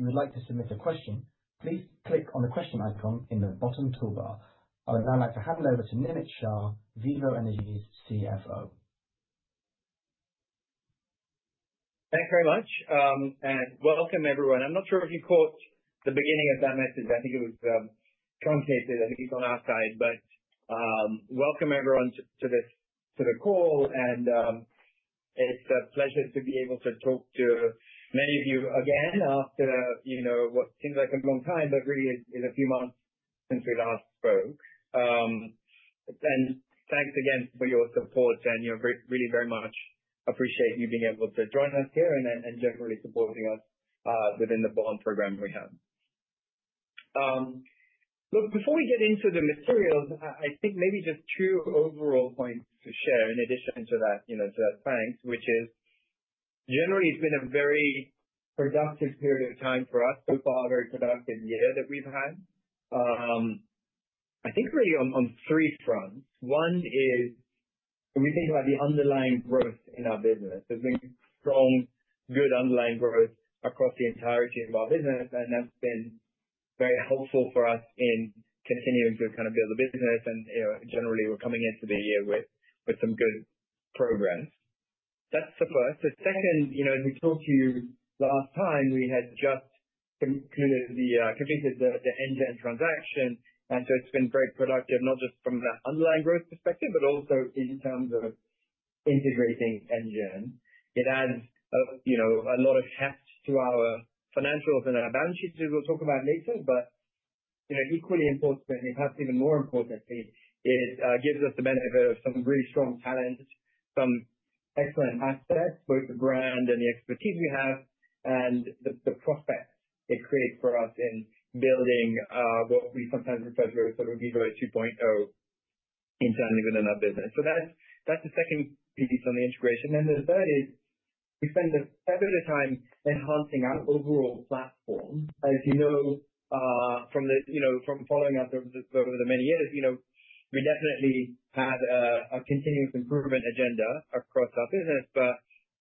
If you would like to submit a question, please click on the question icon in the bottom toolbar. I would now like to hand it over to Nimit Shah, Vivo Energy's CFO. Thanks very much, and welcome everyone. I'm not sure if you caught the beginning of that message. I think it was truncated, at least on our side. Welcome everyone to the call, and it's a pleasure to be able to talk to many of you again after what seems like a long time, but really is a few months since we last spoke. Thanks again for your support, and we really very much appreciate you being able to join us here and generally supporting us within the Bond program we have. Look, before we get into the materials, I think maybe just two overall points to share in addition to that thanks, which is generally it's been a very productive period of time for us, so far a very productive year that we've had. I think really on three fronts. One is we think about the underlying growth in our business. There's been strong, good underlying growth across the entirety of our business, and that's been very helpful for us in continuing to kind of build the business. Generally, we're coming into the year with some good programs. That's the first. The second, as we talked to you last time, we had just completed the Engen transaction, and so it's been very productive, not just from that underlying growth perspective, but also in terms of integrating Engen. It adds a lot of heft to our financials and our balance sheets, as we'll talk about later. Equally importantly, perhaps even more importantly, it gives us the benefit of some really strong talent, some excellent assets, both the brand and the expertise we have, and the prospects it creates for us in building what we sometimes refer to as sort of Vivo 2.0 internally within our business. That is the second piece on the integration. The third is we spend a fair bit of time enhancing our overall platform. As you know from following us over the many years, we definitely had a continuous improvement agenda across our business, but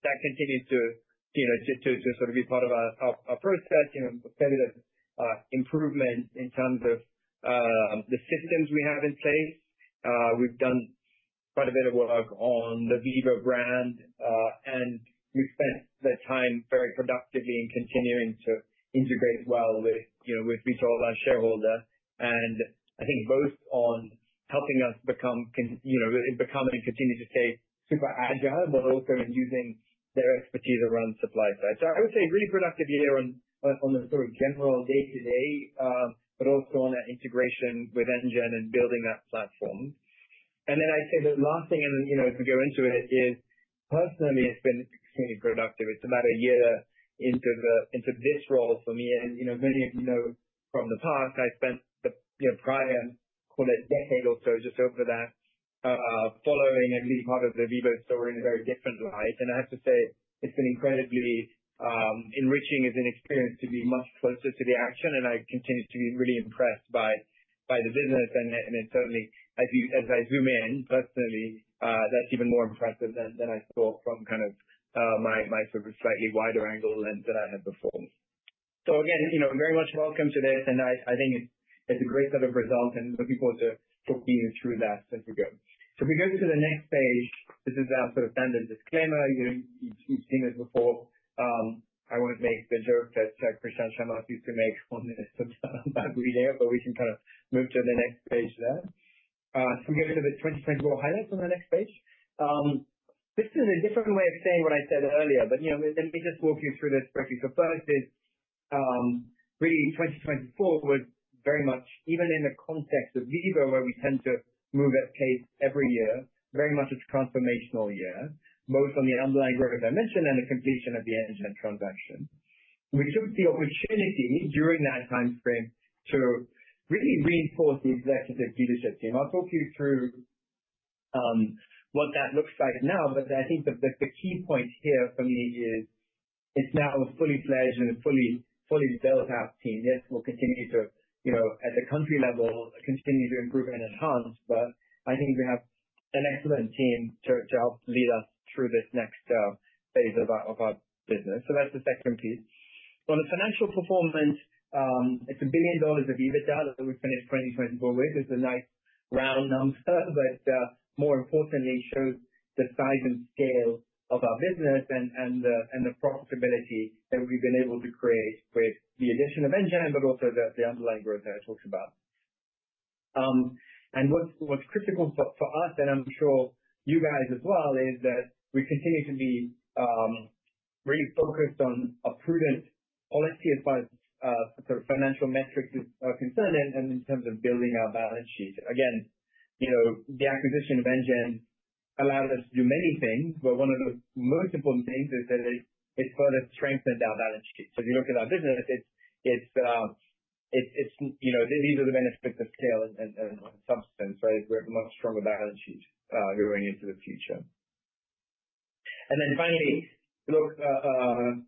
that continues to sort of be part of our process, a fair bit of improvement in terms of the systems we have in place. We have done quite a bit of work on the Vivo brand, and we have spent the time very productively in continuing to integrate well with retail and shareholder. I think both on helping us become and continue to stay super agile, but also in using their expertise around supply side. I would say really productive year on the sort of general day-to-day, but also on our integration with Engen and building that platform. I'd say the last thing, as we go into it, is personally, it's been extremely productive. It's about a year into this role for me. Many of you know from the past, I spent the prior, call it decade or so, just over that, following and being part of the Vivo story in a very different light. I have to say, it's been incredibly enriching as an experience to be much closer to the action, and I continue to be really impressed by the business. Certainly, as I zoom in personally, that's even more impressive than I thought from kind of my sort of slightly wider angle than I had before. Again, very much welcome to this, and I think it's a great set of results, and looking forward to talking you through that as we go. If we go to the next page, this is our sort of standard disclaimer. You've seen this before. I won't make the joke that Christian Chammas used to make on this on that video, but we can kind of move to the next page there. We go to the 2024 highlights on the next page. This is a different way of saying what I said earlier, but let me just walk you through this quickly. First is really 2024 was very much, even in the context of Vivo, where we tend to move at pace every year, very much a transformational year, both on the underlying growth dimension and the completion of the Engen transaction. We took the opportunity during that timeframe to really reinforce the executive leadership team. I'll talk you through what that looks like now, but I think the key point here for me is it's now a fully fledged and fully built-out team. Yes, we'll continue to, at the country level, continue to improve and enhance, but I think we have an excellent team to help lead us through this next phase of our business. That's the second piece. On the financial performance, it's $1 billion of EBITDA that we finished 2024 with. It's a nice round number, but more importantly, it shows the size and scale of our business and the profitability that we've been able to create with the addition of Engen, but also the underlying growth that I talked about. What's critical for us, and I'm sure you guys as well, is that we continue to be really focused on a prudent policy as far as sort of financial metrics are concerned and in terms of building our balance sheet. Again, the acquisition of Engen allowed us to do many things, but one of the most important things is that it further strengthened our balance sheet. If you look at our business, these are the benefits of scale and substance, right? We have a much stronger balance sheet going into the future. Finally, look,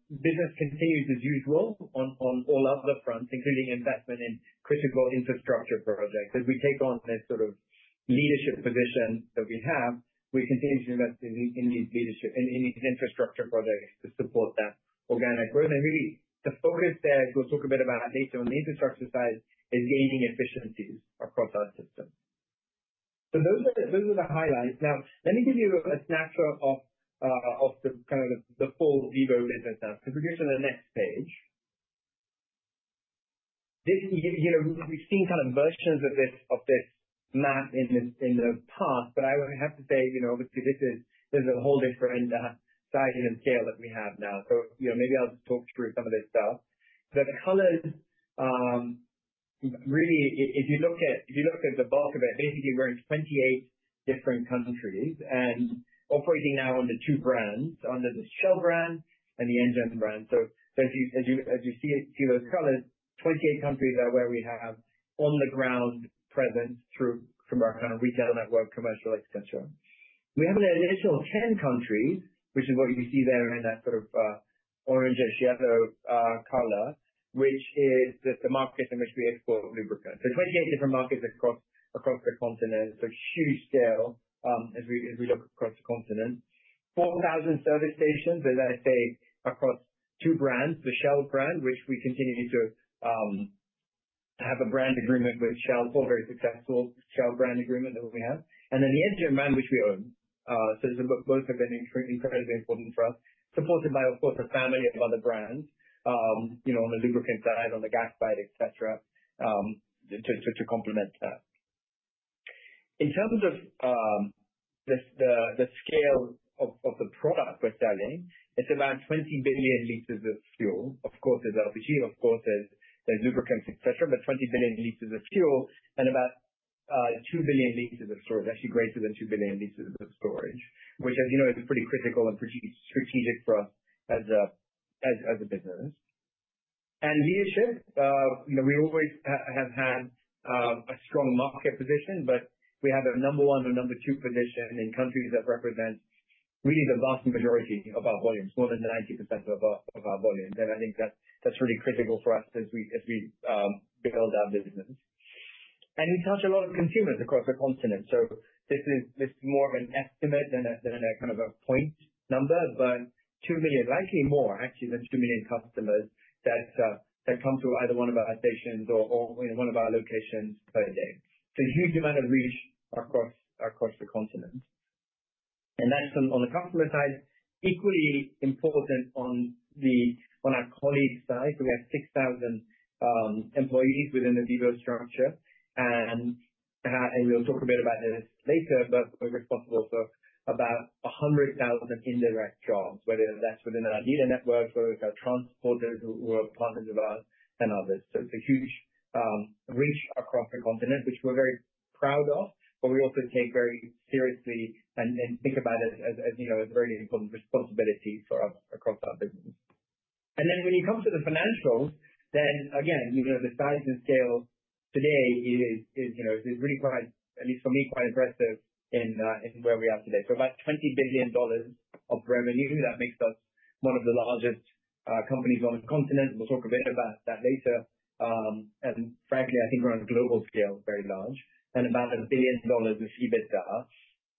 business continues as usual on all other fronts, including investment in critical infrastructure projects. As we take on this sort of leadership position that we have, we continue to invest in these leadership and in these infrastructure projects to support that organic growth. Really, the focus there, we'll talk a bit about later on the infrastructure side, is gaining efficiencies across our system. Those are the highlights. Now, let me give you a snapshot of the kind of the full Vivo business now. If we go to the next page, we've seen versions of this map in the past, but I would have to say, obviously, this is a whole different size and scale that we have now. Maybe I'll just talk through some of this stuff. The colors, really, if you look at the bulk of it, basically we're in 28 different countries and operating now under two brands, under the Shell brand and the Engen brand. As you see those colors, 28 countries are where we have on-the-ground presence through our kind of retail network, commercial, etc. We have an additional 10 countries, which is what you see there in that sort of orange and shadow color, which is the market in which we export lubricants. Twenty-eight different markets across the continent, so huge scale as we look across the continent. 4,000 service stations, as I say, across two brands, the Shell brand, which we continue to have a brand agreement with Shell, a very successful Shell brand agreement that we have. Then the Engen brand, which we own. Both have been incredibly important for us, supported by, of course, a family of other brands on the lubricant side, on the gas side, etc., to complement that. In terms of the scale of the product we're selling, it's about 20 billion L of fuel. Of course, there's LPG, of course, there's lubricants, etc., but 20 billion L of fuel and about 2 billion L of storage, actually greater than 2 billion L of storage, which, as you know, is pretty critical and pretty strategic for us as a business. Leadership, we always have had a strong market position, but we have a number one and number two position in countries that represent really the vast majority of our volumes, more than 90% of our volumes. I think that's really critical for us as we build our business. We touch a lot of consumers across the continent. This is more of an estimate than a kind of a point number, but 2 million, likely more actually than 2 million customers that come to either one of our stations or one of our locations per day. A huge amount of reach across the continent. That is on the customer side, equally important on our colleague side. We have 6,000 employees within the Vivo structure, and we'll talk a bit about this later, but we're responsible for about 100,000 indirect jobs, whether that's within our dealer networks, whether it's our transporters who are partners of ours and others. It is a huge reach across the continent, which we're very proud of, but we also take very seriously and think about it as a very important responsibility for us across our business. When you come to the financials, the size and scale today is really quite, at least for me, quite impressive in where we are today. About $20 billion of revenue makes us one of the largest companies on the continent. We'll talk a bit about that later. Frankly, I think we're on a global scale, very large, and about a billion dollars of EBITDA.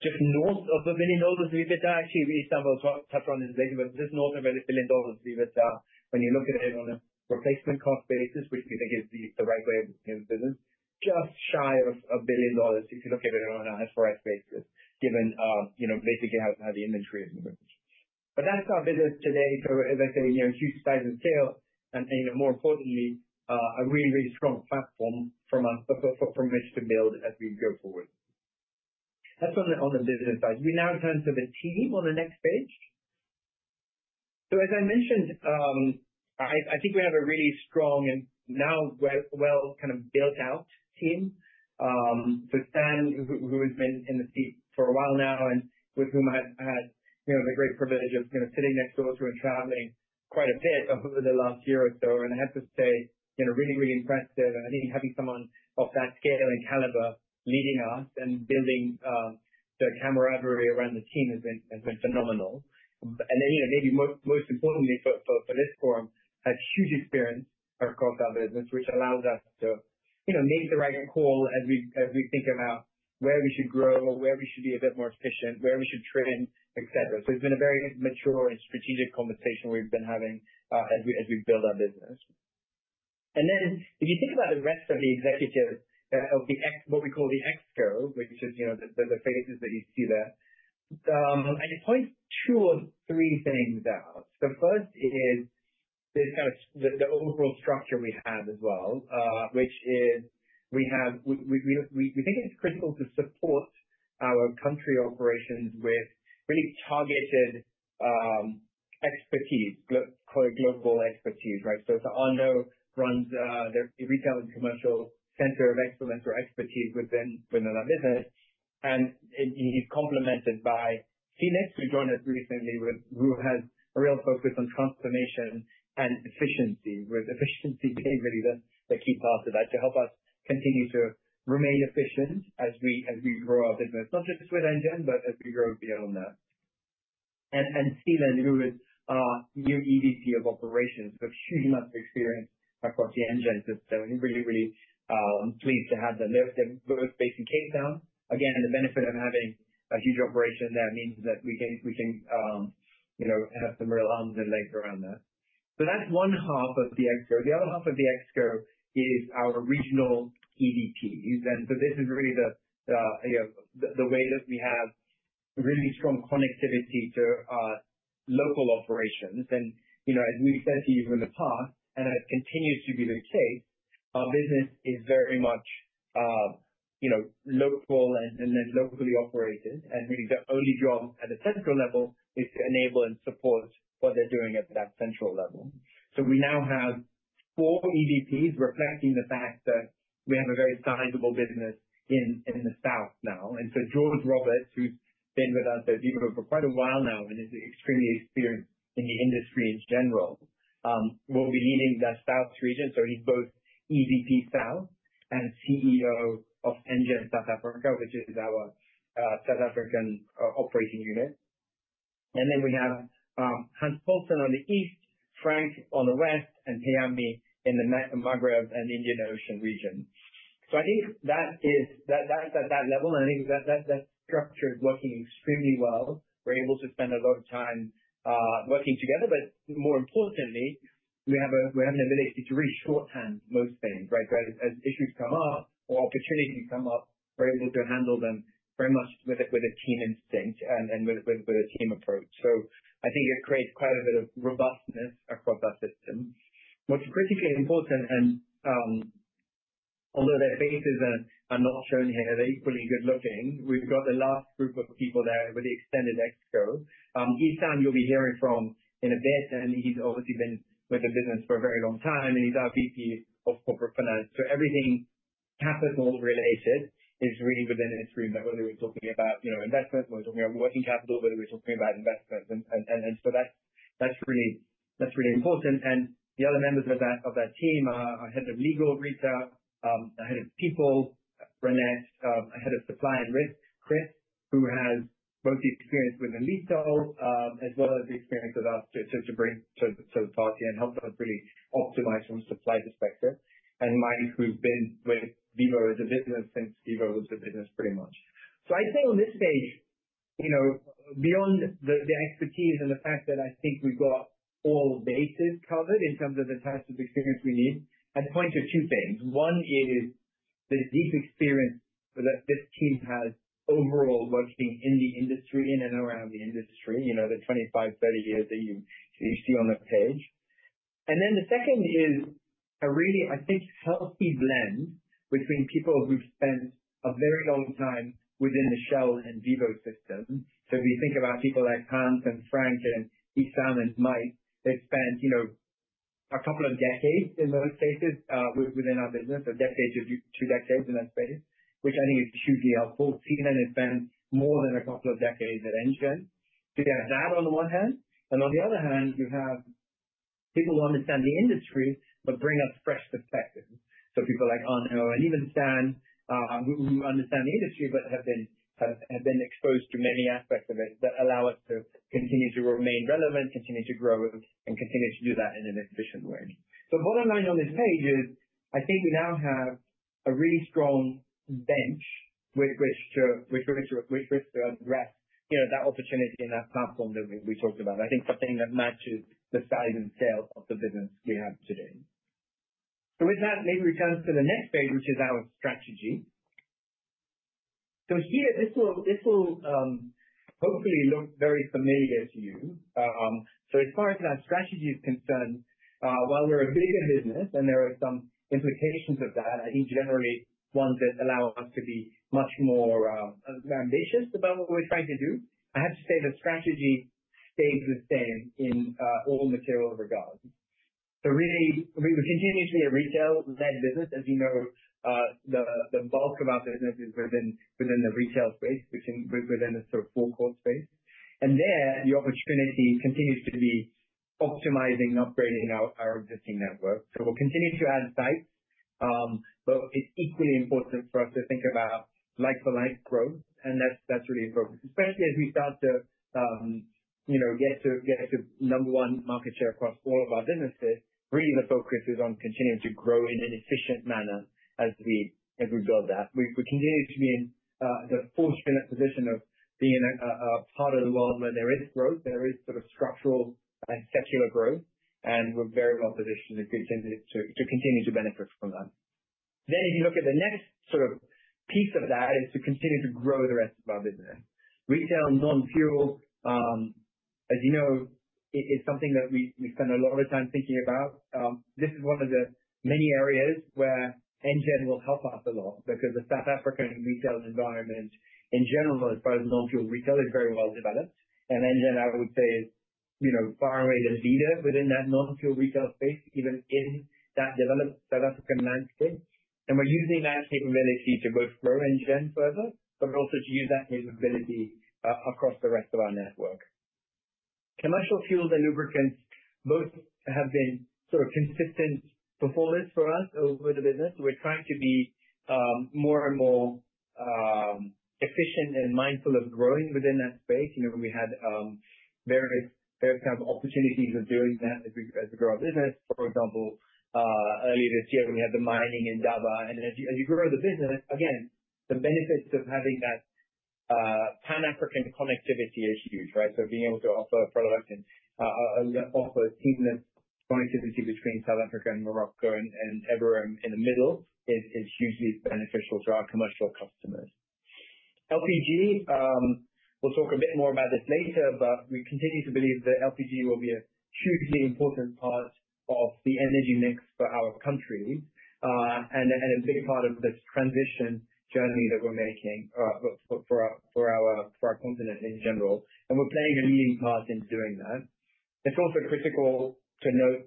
Just north of a billion dollars of EBITDA, actually, we'll touch on this later, but just north of a billion dollars of EBITDA when you look at it on a replacement cost basis, which we think is the right way of doing business, just shy of a billion dollars if you look at it on an SRS basis, given basically how the inventory is moving. That's our business today. As I say, huge size and scale, and more importantly, a really, really strong platform from which to build as we go forward. That is on the business side. We now turn to the team on the next page. As I mentioned, I think we have a really strong and now well kind of built-out team. Stan, who has been in the seat for a while now and with whom I have had the great privilege of sitting next door to and traveling quite a bit over the last year or so, and I have to say, really, really impressive. I think having someone of that scale and calibre leading us and building the camaraderie around the team has been phenomenal. Maybe most importantly for this forum, a huge experience across our business, which allows us to make the right call as we think about where we should grow, where we should be a bit more efficient, where we should trim, etc. It has been a very mature and strategic conversation we've been having as we build our business. If you think about the rest of the executive, what we call the exco, which is the faces that you see there, I'd point two or three things out. The first is kind of the overall structure we have as well, which is we think it's critical to support our country operations with really targeted expertise, global expertise, right? It is our no runs retail and commercial center of excellence or expertise within our business. You are complemented by Felix, who joined us recently, who has a real focus on transformation and efficiency, with efficiency being really the key part of that to help us continue to remain efficient as we grow our business, not just with Engen, but as we grow beyond that. Seelan, who is our new EVP of operations, has huge amounts of experience across the Engen system, and really, really pleased to have them. They are both based in Cape Town. Again, the benefit of having a huge operation there means that we can have some real arms and legs around that. That is one half of the exco. The other half of the exco is our regional EVPs. This is really the way that we have really strong connectivity to our local operations. As we have said to you in the past, and it continues to be the case, our business is very much local and locally operated, and really the only job at the central level is to enable and support what they are doing at that central level. We now have four EVPs reflecting the fact that we have a very sizable business in the south now. George Roberts, who has been with us at Vivo for quite a while now and is extremely experienced in the industry in general, will be leading the south region. He is both EVP South and CEO of Engen South Africa, which is our South African operating unit. We have Hans Paulsen on the east, Frank on the west, and Peyami in the Maghreb and Indian Ocean region. I think that's at that level, and I think that structure is working extremely well. We're able to spend a lot of time working together, but more importantly, we have an ability to really shorthand most things, right? As issues come up or opportunities come up, we're able to handle them very much with a team instinct and with a team approach. I think it creates quite a bit of robustness across our system. What's critically important, and although their faces are not shown here, they're equally good looking, we've got the last group of people there with the extended exco. Issam, you'll be hearing from in a bit, and he's obviously been with the business for a very long time, and he's our VP of Corporate Finance. Everything capital related is really within this room, whether we're talking about investments, whether we're talking about working capital, whether we're talking about investments. That's really important. The other members of that team are Head of Legal Retail, Head of People, Reinette, Head of Supply and Risk, Chris, who has both the experience with retail as well as the experience with us to bring to the party and help us really optimize from a supply perspective, and Mike, who's been with Vivo as a business since Vivo was a business pretty much. I'd say on this stage, beyond the expertise and the fact that I think we've got all bases covered in terms of the types of experience we need, I'd point to two things. One is the deep experience that this team has overall working in the industry, in and around the industry, the 25, 30 years that you see on the page. The second is a really, I think, healthy blend between people who've spent a very long time within the Shell and Vivo system. If you think about people like Hans and Frank and Issam and Mike, they've spent a couple of decades in most cases within our business, a decade to two decades in that space, which I think is hugely helpful. Seelan has spent more than a couple of decades at Engen. You have that on the one hand, and on the other hand, you have people who understand the industry but bring us fresh perspectives. People like Arnaud, and even Stan, who understand the industry but have been exposed to many aspects of it that allow us to continue to remain relevant, continue to grow, and continue to do that in an efficient way. The bottom line on this page is I think we now have a really strong bench which we are going to address that opportunity and that platform that we talked about. I think something that matches the size and scale of the business we have today. With that, maybe we turn to the next page, which is our strategy. Here, this will hopefully look very familiar to you. As far as our strategy is concerned, while we're a bigger business and there are some implications of that, I think generally ones that allow us to be much more ambitious about what we're trying to do, I have to say the strategy stays the same in all material regards. We continue to be a retail-led business. As you know, the bulk of our business is within the retail space, within the sort of four-core space. There, the opportunity continues to be optimizing and upgrading our existing network. We'll continue to add sites, but it's equally important for us to think about like-for-like growth, and that's really a focus. Especially as we start to get to number one market share across all of our businesses, really the focus is on continuing to grow in an efficient manner as we build that. We continue to be in the fortunate position of being a part of the world where there is growth, there is sort of structural and secular growth, and we're very well positioned to continue to benefit from that. If you look at the next sort of piece of that, it's to continue to grow the rest of our business. Retail, non-fuel, as you know, is something that we spend a lot of time thinking about. This is one of the many areas where Engen will help us a lot because the South African retail environment in general, as far as non-fuel retail, is very well developed. Engen, I would say, is far and away the leader within that non-fuel retail space, even in that developed South African landscape. We are using that capability to both grow Engen further, but also to use that capability across the rest of our network. Commercial fuels and lubricants both have been sort of consistent performers for us over the business. We are trying to be more and more efficient and mindful of growing within that space. We had various kinds of opportunities of doing that as we grow our business. For example, earlier this year, we had the mining Indaba. As you grow the business, again, the benefits of having that Pan-African connectivity is huge, right? Being able to offer a product and offer seamless connectivity between South Africa and Morocco and n in the middle is hugely beneficial to our commercial customers. LPG, we'll talk a bit more about this later, but we continue to believe that LPG will be a hugely important part of the energy mix for our countries and a big part of the transition journey that we're making for our continent in general. We are playing a leading part in doing that. It's also critical to note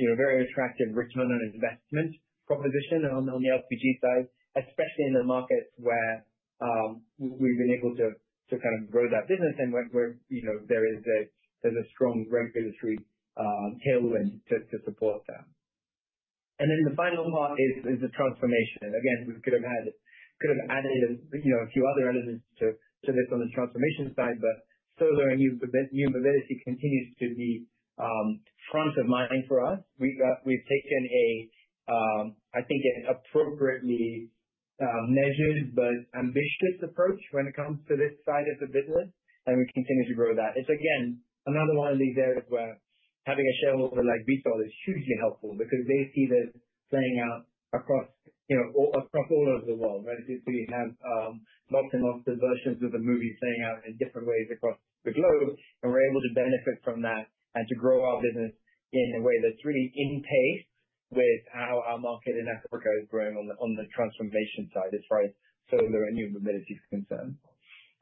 a very attractive return on investment proposition on the LPG side, especially in the markets where we've been able to kind of grow that business and where there is a strong regulatory tailwind to support that. The final part is the transformation. Again, we could have added a few other elements to this on the transformation side, but solar and new mobility continues to be front of mind for us. We've taken a, I think, an appropriately measured but ambitious approach when it comes to this side of the business, and we continue to grow that. It's, again, another one of these areas where having a shareholder like Vitol is hugely helpful because they see this playing out across all over the world. We have lots and lots of versions of the movie playing out in different ways across the globe, and we're able to benefit from that and to grow our business in a way that's really in pace with how our market in Africa is growing on the transformation side as far as solar and new mobility is concerned.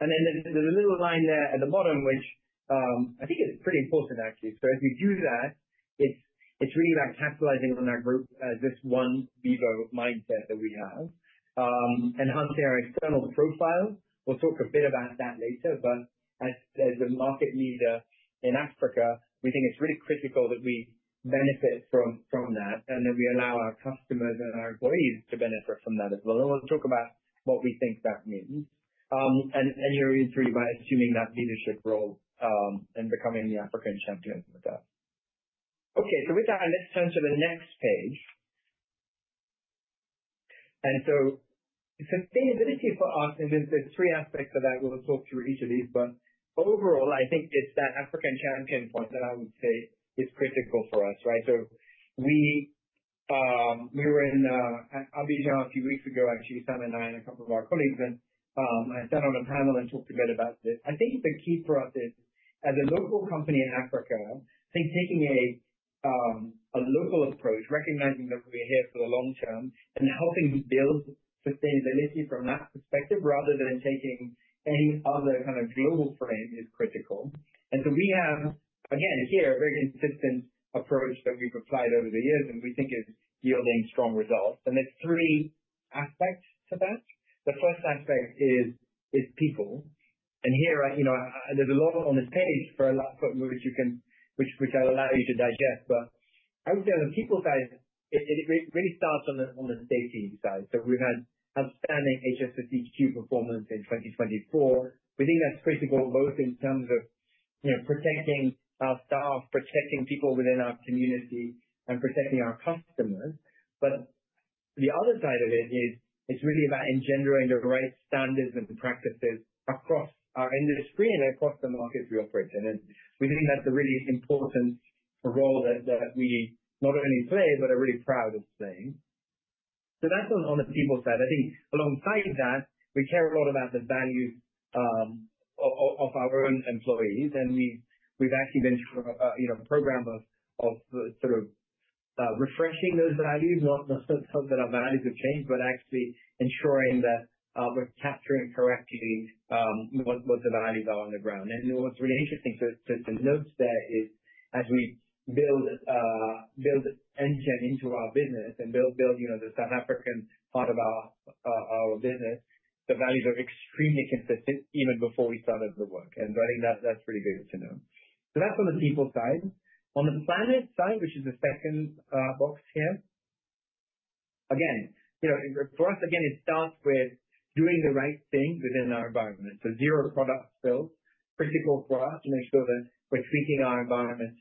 There is a little line there at the bottom, which I think is pretty important, actually. As we do that, it's really about capitalising on that group, this one Vivo mindset that we have. Enhancing our external profile, we'll talk a bit about that later, but as the market leader in Africa, we think it's really critical that we benefit from that, and that we allow our customers and our employees to benefit from that as well. We'll talk about what we think that means. You're in through by assuming that leadership role and becoming the African champion with that. Okay, with that, let's turn to the next page. Sustainability for us, and there's three aspects of that we'll talk through each of these, but overall, I think it's that African champion point that I would say is critical for us, right? We were in Abidjan a few weeks ago, actually, Issam and I and a couple of our colleagues, and I sat on a panel and talked a bit about this. I think the key for us is, as a local company in Africa, I think taking a local approach, recognizing that we're here for the long term, and helping build sustainability from that perspective rather than taking any other kind of global frame is critical. We have, again, here a very consistent approach that we've applied over the years, and we think is yielding strong results. There are three aspects to that. The first aspect is people. Here, there's a lot on this page which I'll allow you to digest, but I would say on the people side, it really starts on the safety side. We've had outstanding HSSEQ performance in 2024. We think that's critical both in terms of protecting our staff, protecting people within our community, and protecting our customers. The other side of it is it's really about engendering the right standards and practices across our industry and across the markets we operate in. We think that's a really important role that we not only play, but are really proud of playing. That's on the people side. I think alongside that, we care a lot about the values of our own employees, and we've actually been programmed of sort of refreshing those values, not that our values have changed, but actually ensuring that we're capturing correctly what the values are on the ground. What's really interesting to note there is as we build Engen into our business and build the South African part of our business, the values are extremely consistent even before we started the work. I think that's really good to know. That's on the people side. On the planet side, which is the second box here, again, for us, it starts with doing the right thing within our environment. Zero product spills are critical for us to make sure that we are treating our environment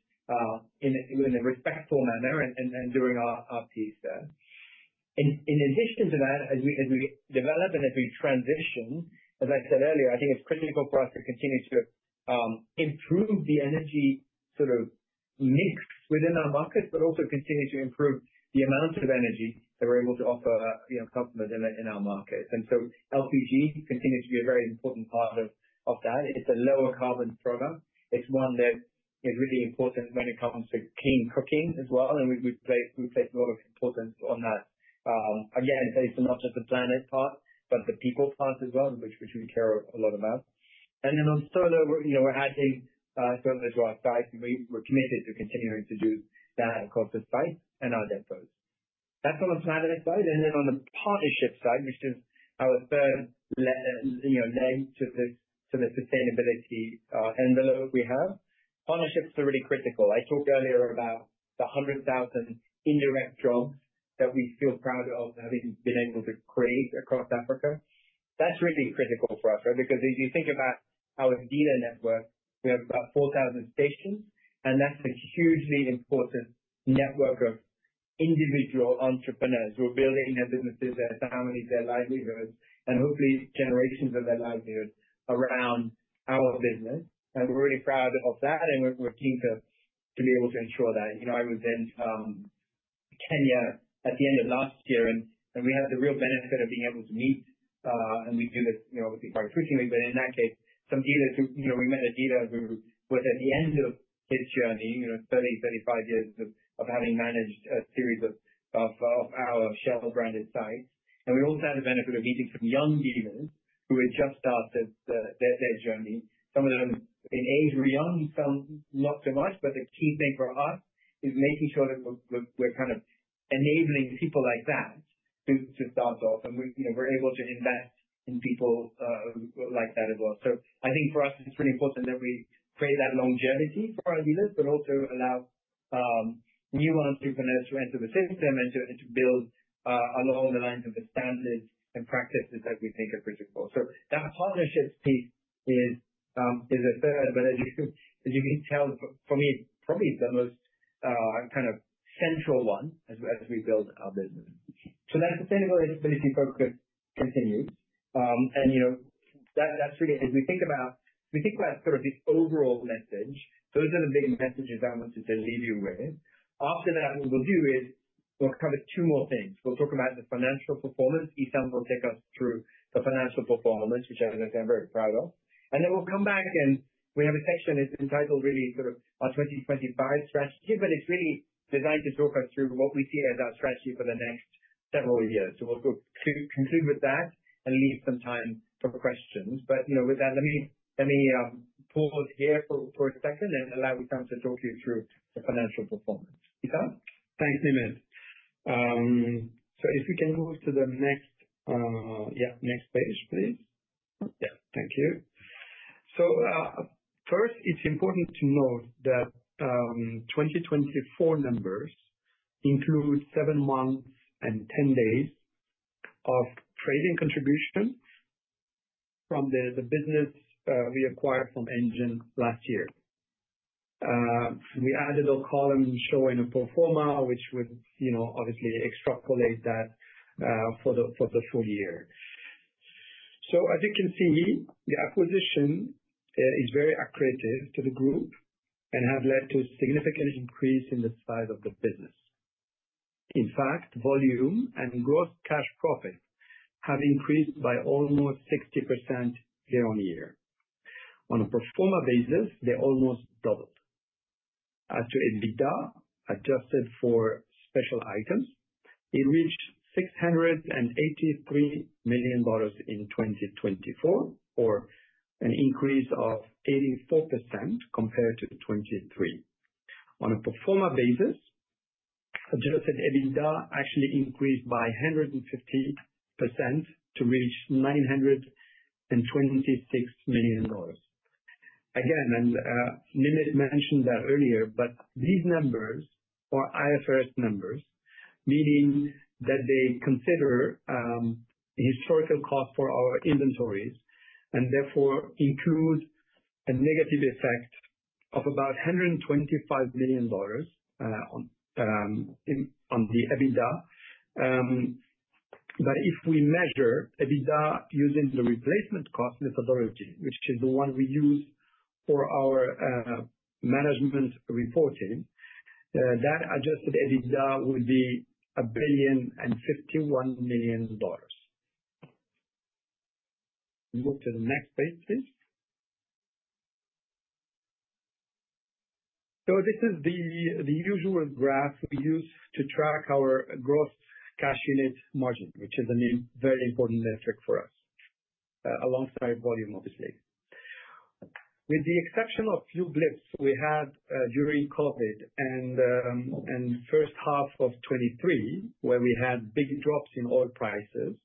in a respectful manner and doing our piece there. In addition to that, as we develop and as we transition, as I said earlier, I think it is critical for us to continue to improve the energy sort of mix within our markets, but also continue to improve the amount of energy that we are able to offer customers in our markets. LPG continues to be a very important part of that. It is a lower carbon product. It is one that is really important when it comes to clean cooking as well. We place a lot of importance on that, again, based on not just the planet part, but the people part as well, which we care a lot about. On solar, we're adding solar to our site, and we're committed to continuing to do that across the site and our depots. That is on the planet side. On the partnership side, which is our third leg to the sustainability envelope we have, partnerships are really critical. I talked earlier about the 100,000 indirect jobs that we feel proud of having been able to create across Africa. That is really critical for us, right? Because if you think about our dealer network, we have about 4,000 stations, and that is a hugely important network of individual entrepreneurs who are building their businesses, their families, their livelihoods, and hopefully generations of their livelihoods around our business. We're really proud of that, and we're keen to be able to ensure that. I was in Kenya at the end of last year, and we had the real benefit of being able to meet, and we do this obviously quite frequently, but in that case, some dealers who we met a dealer who was at the end of his journey, 30-35 years of having managed a series of our Shell-branded sites. We also had the benefit of meeting some young dealers who had just started their journey. Some of them in age were young, some not so much, but the key thing for us is making sure that we're kind of enabling people like that to start off, and we're able to invest in people like that as well. I think for us, it's really important that we create that longevity for our dealers, but also allow new entrepreneurs to enter the system and to build along the lines of the standards and practices that we think are critical. That partnership piece is a third, but as you can tell, for me, it's probably the most kind of central one as we build our business. That sustainability focus continues. As we think about, we think about sort of the overall message. Those are the big messages I wanted to leave you with. After that, what we'll do is we'll cover two more things. We'll talk about the financial performance. Issam will take us through the financial performance, which I think I'm very proud of. Then we'll come back, and we have a section that's entitled really sort of our 2025 strategy, but it's really designed to talk us through what we see as our strategy for the next several years. We'll conclude with that and leave some time for questions. With that, let me pause here for a second and allow Issam to talk you through the financial performance. Issam? Thanks, Nimit. If we can move to the next page, please. Thank you. First, it's important to note that 2024 numbers include seven months and 10 days of trading contribution from the business we acquired from Engen last year. We added a column showing a pro forma, which would obviously extrapolate that for the full year. As you can see, the acquisition is very accretive to the group and has led to a significant increase in the size of the business. In fact, volume and gross cash profit have increased by almost 60% year-on-year. On a pro forma basis, they almost doubled. As to EBITDA, adjusted for special items, it reached $683 million in 2024, or an increase of 84% compared to 2023. On a pro forma basis, Adjusted EBITDA actually increased by 150% to reach $926 million. Again, and Nimit mentioned that earlier, but these numbers are IFRS numbers, meaning that they consider historical costs for our inventories and therefore include a negative effect of about $125 million on the EBITDA. If we measure EBITDA using the replacement cost methodology, which is the one we use for our management reporting, that adjusted EBITDA would be $1,051,000,000. We'll go to the next page, please. This is the usual graph we use to track our gross cash unit margin, which is a very important metric for us, alongside volume, obviously. With the exception of a few blips we had during COVID and the first half of 2023, where we had big drops in oil prices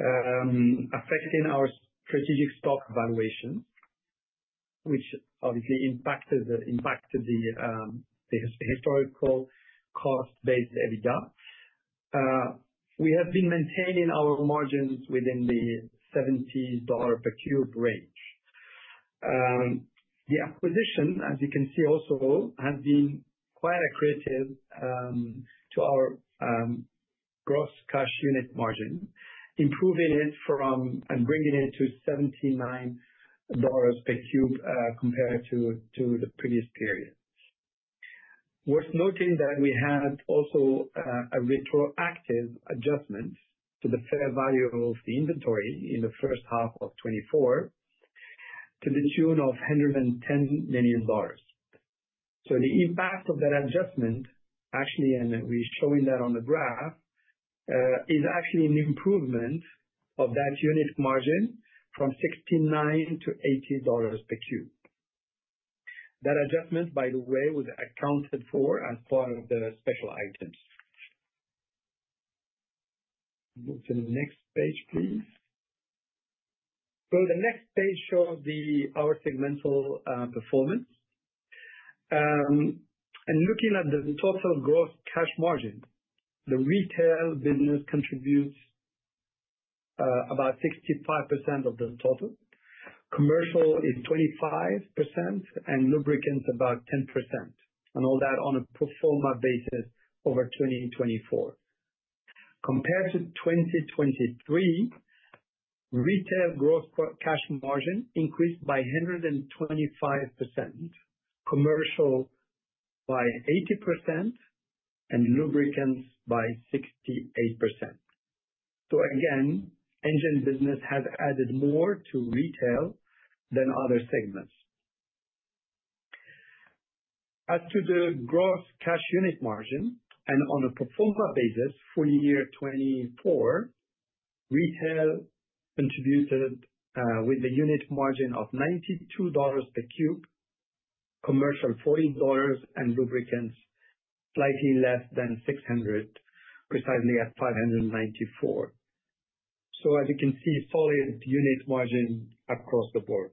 affecting our strategic stock valuations, which obviously impacted the historical cost-based EBITDA. We have been maintaining our margins within the $70 per cube range. The acquisition, as you can see also, has been quite accurate to our gross cash unit margin, improving it from and bringing it to $79 per cube compared to the previous period. Worth noting that we had also a retroactive adjustment to the fair value of the inventory in the first half of 2024 to the tune of $110 million. The impact of that adjustment, actually, and we're showing that on the graph, is actually an improvement of that unit margin from $69 to $80 per cube. That adjustment, by the way, was accounted for as part of the special items. Move to the next page, please. The next page shows our segmental performance. Looking at the total gross cash margin, the retail business contributes about 65% of the total. Commercial is 25%, and lubricants about 10%. All that on a pro forma basis over 2024. Compared to 2023, retail gross cash margin increased by 125%, commercial by 80%, and lubricants by 68%. Again, Engen business has added more to retail than other segments. As to the gross cash unit margin, and on a pro forma basis, full year 2024, retail contributed with a unit margin of $92 per cube, commercial $40, and lubricants slightly less than $600, precisely at $594. As you can see, solid unit margin across the board.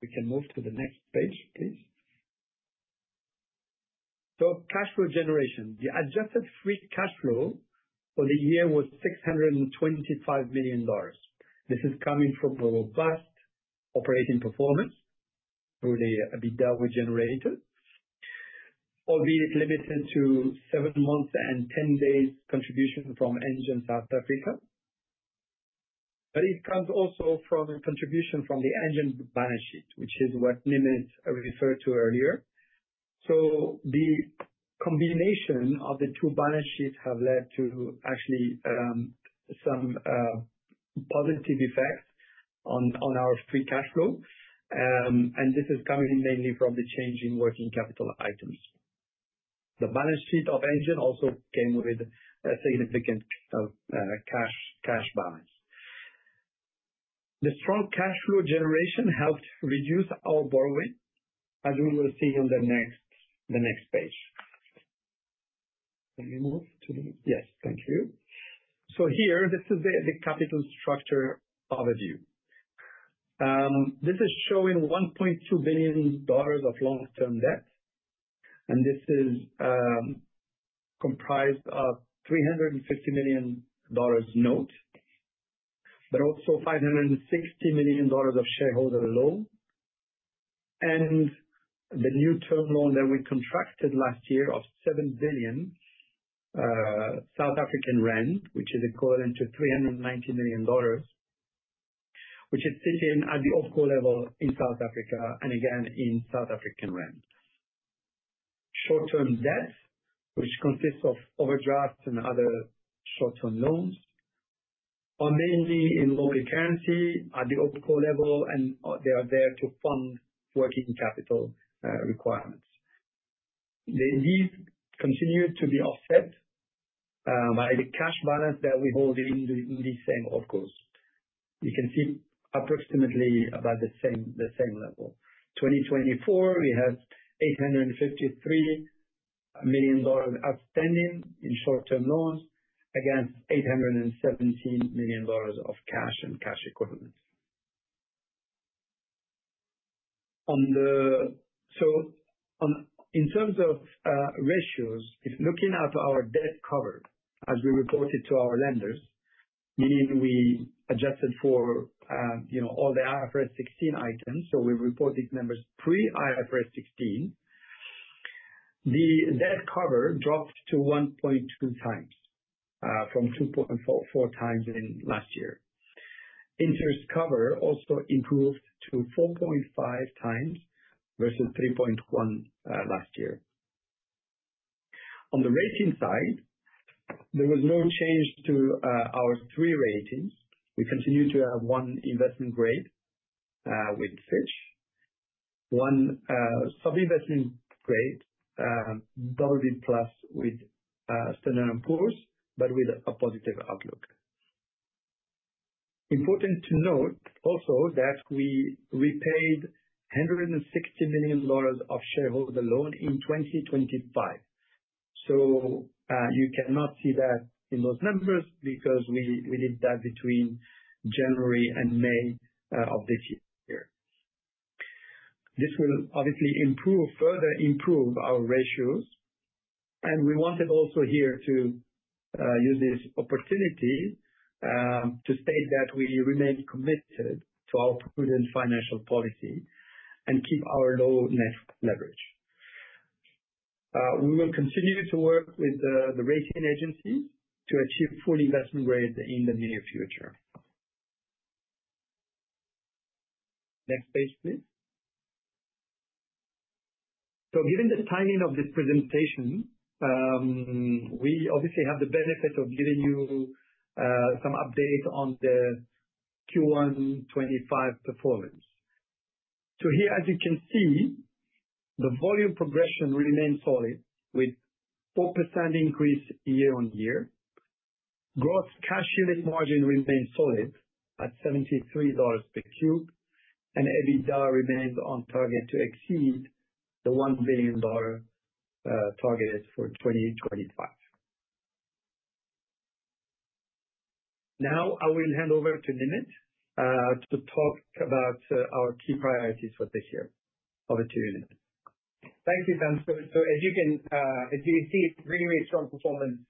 We can move to the next page, please. Cash flow generation. The adjusted free cash flow for the year was $625 million. This is coming from a robust operating performance through the EBITDA we generated, albeit limited to seven months and 10 days contribution from Engen South Africa. It comes also from contribution from the Engen balance sheet, which is what Nimit referred to earlier. The combination of the two balance sheets has led to actually some positive effects on our free cash flow. This is coming mainly from the change in working capital items. The balance sheet of Engen also came with a significant cash balance. The strong cash flow generation helped reduce our borrowing, as we will see on the next page. Can we move to the next? Yes, thank you. Here, this is the capital structure overview. This is showing $1.2 billion of long-term debt. This is comprised of a $350 million note, but also $560 million of shareholder loan, and the new term loan that we contracted last year of 7 billion South African rand, which is equivalent to $390 million, which is sitting at the OpCo level in South Africa, and again, in South African rand. Short-term debt, which consists of overdrafts and other short-term loans, are mainly in local currency at the OpCo level, and they are there to fund working capital requirements. These continue to be offset by the cash balance that we hold in these same OpCos. You can see approximately about the same level. In 2024, we have $853 million outstanding in short-term loans against $817 million of cash and cash equivalents. In terms of ratios, if looking at our debt cover as we reported to our lenders, meaning we adjusted for all the IFRS 16 items, we reported numbers pre-IFRS 16. The debt cover dropped to 1.2x from 2.4x in last year. Interest cover also improved to 4.5x versus 3.1 last year. On the rating side, there was no change to our three ratings. We continue to have one investment grade with Fitch, one sub-investment grade, BB+ with S&P Global Ratings, but with a positive outlook. Important to note also that we repaid $160 million of shareholder loan in 2025. You cannot see that in those numbers because we did that between January and May of this year. This will obviously further improve our ratios. We wanted also here to use this opportunity to state that we remain committed to our prudent financial policy and keep our low net leverage. We will continue to work with the rating agencies to achieve full investment grade in the near future. Next page, please. Given the timing of this presentation, we obviously have the benefit of giving you some update on the Q1 2025 performance. Here, as you can see, the volume progression remains solid with 4% increase year-on-year. Gross cash unit margin remains solid at $73 per cube, and EBITDA remains on target to exceed the $1 billion target for 2025. Now, I will hand over to Nimit to talk about our key priorities for this year. Over to you Nimit. Thank you, Issam. As you can see, really, really strong performance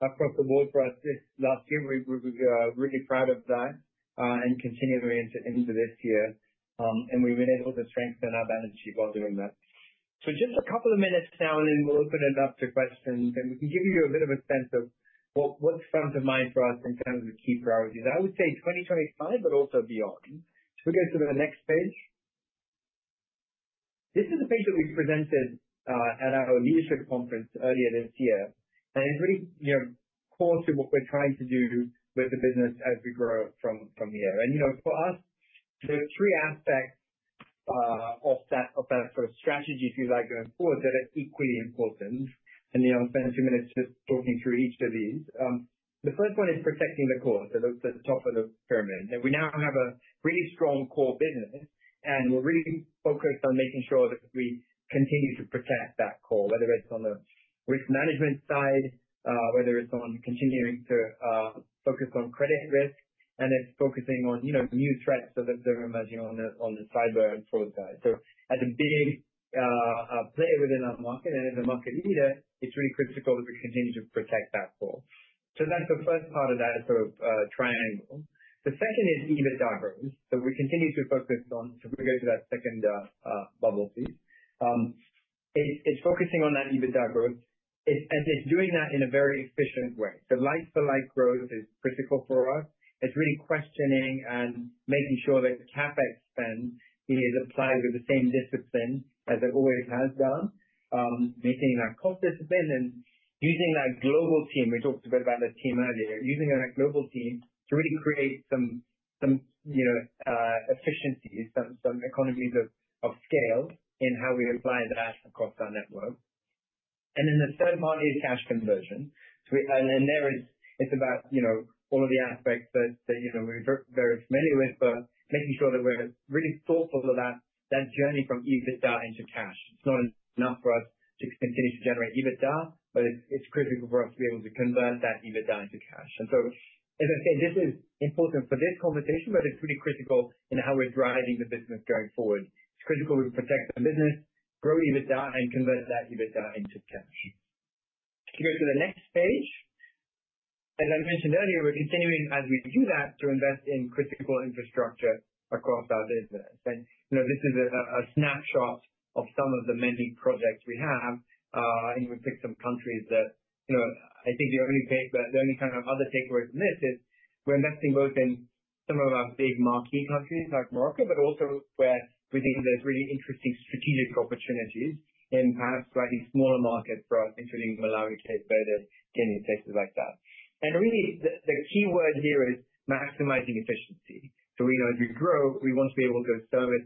across the board for us this last year. We're really proud of that and continuing into this year. We have been able to strengthen our balance sheet while doing that. Just a couple of minutes now, and then we'll open it up to questions. We can give you a bit of a sense of what's front of mind for us in terms of key priorities. I would say 2025, but also beyond. If we go to the next page, this is the page that we presented at our leadership conference earlier this year. It is really core to what we're trying to do with the business as we grow from here. For us, there are three aspects of that sort of strategy, if you like, going forward that are equally important. I'll spend two minutes just talking through each of these. The first one is protecting the core, the top of the pyramid. We now have a really strong core business, and we're really focused on making sure that we continue to protect that core, whether it's on the risk management side, whether it's on continuing to focus on credit risk, and it's focusing on new threats that are emerging on the cyber and fraud side. As a big player within our market and as a market leader, it's really critical that we continue to protect that core. That's the first part of that sort of triangle. The second is EBITDA growth. We continue to focus on, if we go to that second bubble, please. It's focusing on that EBITDA growth, and it's doing that in a very efficient way. Like-for-like growth is critical for us. It's really questioning and making sure that CapEx spend is applied with the same discipline as it always has done, maintaining that cost discipline and using that global team. We talked a bit about the team earlier, using our global team to really create some efficiencies, some economies of scale in how we apply that across our network. The third part is cash conversion. It is about all of the aspects that we're very familiar with, but making sure that we're really thoughtful of that journey from EBITDA into cash. It's not enough for us to continue to generate EBITDA, but it's critical for us to be able to convert that EBITDA into cash. As I say, this is important for this conversation, but it's really critical in how we're driving the business going forward. It's critical we protect the business, grow EBITDA, and convert that EBITDA into cash. If you go to the next page, as I mentioned earlier, we're continuing, as we do that, to invest in critical infrastructure across our business. This is a snapshot of some of the many projects we have. We picked some countries that I think the only kind of other takeaway from this is we're investing both in some of our big marquee countries like Morocco, but also where we think there's really interesting strategic opportunities in perhaps slightly smaller markets for us, including Malawi, Cape Verde, Kenya, places like that. Really, the key word here is maximizing efficiency. As we grow, we want to be able to service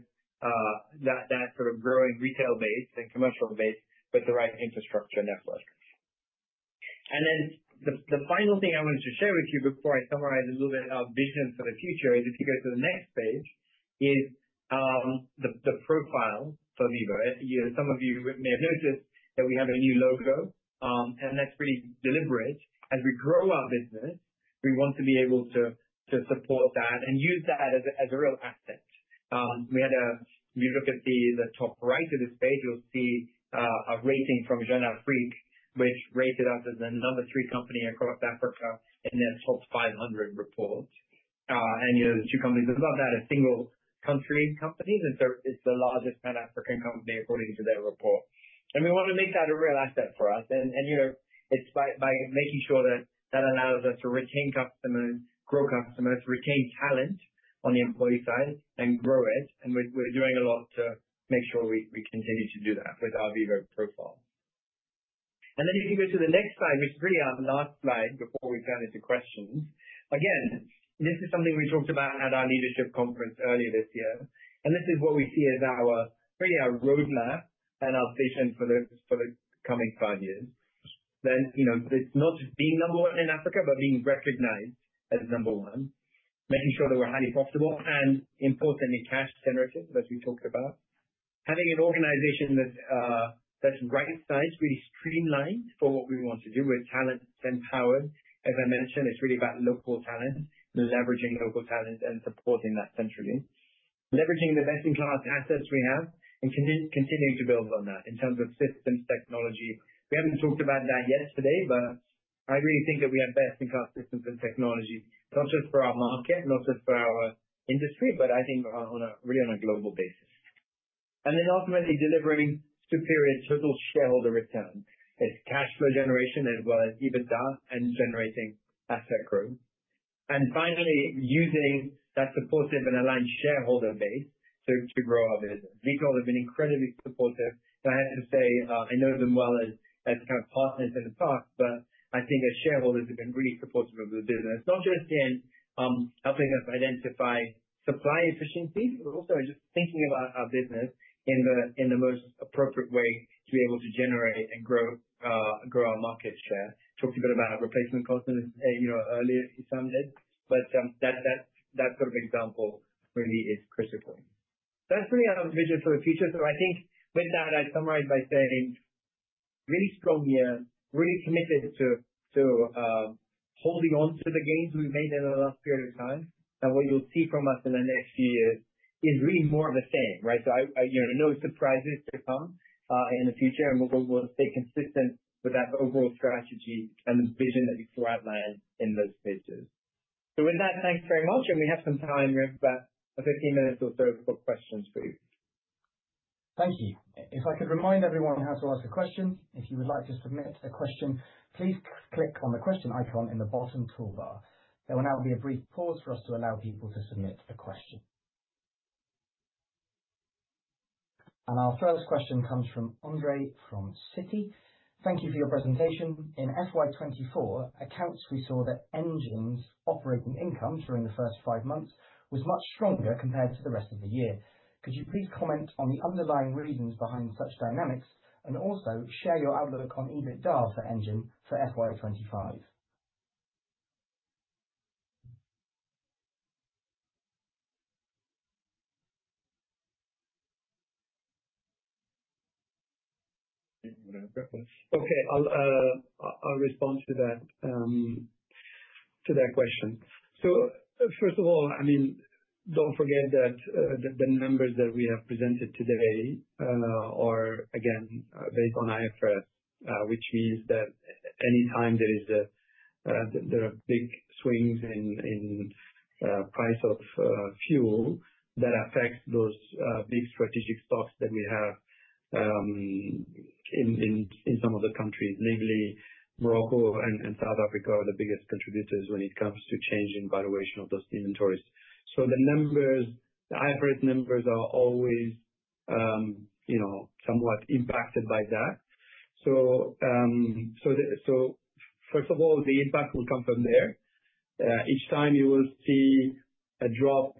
that sort of growing retail base and commercial base with the right infrastructure network. The final thing I wanted to share with you before I summarize a little bit our vision for the future is, if you go to the next page, the profile for Vivo. Some of you may have noticed that we have a new logo, and that's really deliberate. As we grow our business, we want to be able to support that and use that as a real asset. If you look at the top right of this page, you'll see a rating from Jeanna Frick, which rated us as the number three company across Africa in their top 500 report. The two companies above that are single-country companies, and so it's the largest Pan-African company according to their report. We want to make that a real asset for us. It is by making sure that that allows us to retain customers, grow customers, retain talent on the employee side, and grow it. We are doing a lot to make sure we continue to do that with our Vivo profile. If you go to the next slide, which is really our last slide before we turn into questions, this is something we talked about at our leadership conference earlier this year. This is what we see as really our roadmap and our vision for the coming five years. It is not being number one in Africa, but being recognized as number one, making sure that we are highly profitable, and importantly, cash generative, as we talked about. Having an organization that is right-sized, really streamlined for what we want to do with talent and power. As I mentioned, it's really about local talent, leveraging local talent, and supporting that centrally. Leveraging the best-in-class assets we have and continuing to build on that in terms of systems, technology. We haven't talked about that yet today, but I really think that we have best-in-class systems and technology, not just for our market, not just for our industry, but I think really on a global basis. Ultimately delivering superior total shareholder returns. It's cash flow generation as well as EBITDA and generating asset growth. Finally, using that supportive and aligned shareholder base to grow our business. Vitol has been incredibly supportive. I have to say, I know them well as kind of partners in the past, but I think as shareholders, they've been really supportive of the business, not just in helping us identify supply efficiencies, but also just thinking about our business in the most appropriate way to be able to generate and grow our market share. Talked a bit about replacement costs earlier, Issam did. That sort of example really is critical. That's really our vision for the future. I think with that, I'd summarize by saying, really strong year, really committed to holding on to the gains we've made in the last period of time. What you'll see from us in the next few years is really more of the same, right? No surprises to come in the future. We will stay consistent with that overall strategy and the vision that you throw out in those stages. With that, thanks very much. We have some time, we have about 15 minutes or so for questions for you. Thank you. If I could remind everyone how to ask a question, if you would like to submit a question, please click on the question icon in the bottom toolbar. There will now be a brief pause for us to allow people to submit a question. Our first question comes from Andrei from Citi. Thank you for your presentation. In FY 2024 accounts, we saw that Engen's operating income during the first five months was much stronger compared to the rest of the year. Could you please comment on the underlying reasons behind such dynamics and also share your outlook on EBITDA for Engen for FY 2025? Okay, I'll respond to that question. First of all, I mean, don't forget that the numbers that we have presented today are, again, based on IFRS, which means that anytime there are big swings in price of fuel that affect those big strategic stocks that we have in some of the countries, namely Morocco and South Africa are the biggest contributors when it comes to changing valuation of those inventories. The numbers, the IFRS numbers, are always somewhat impacted by that. First of all, the impact will come from there. Each time you will see a drop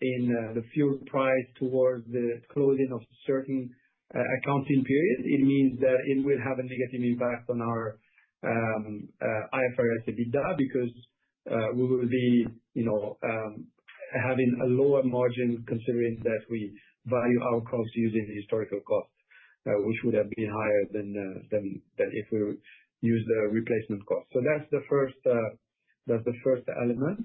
in the fuel price towards the closing of certain accounting periods, it means that it will have a negative impact on our IFRS EBITDA because we will be having a lower margin considering that we value our costs using historical costs, which would have been higher than if we use the replacement costs. That is the first element.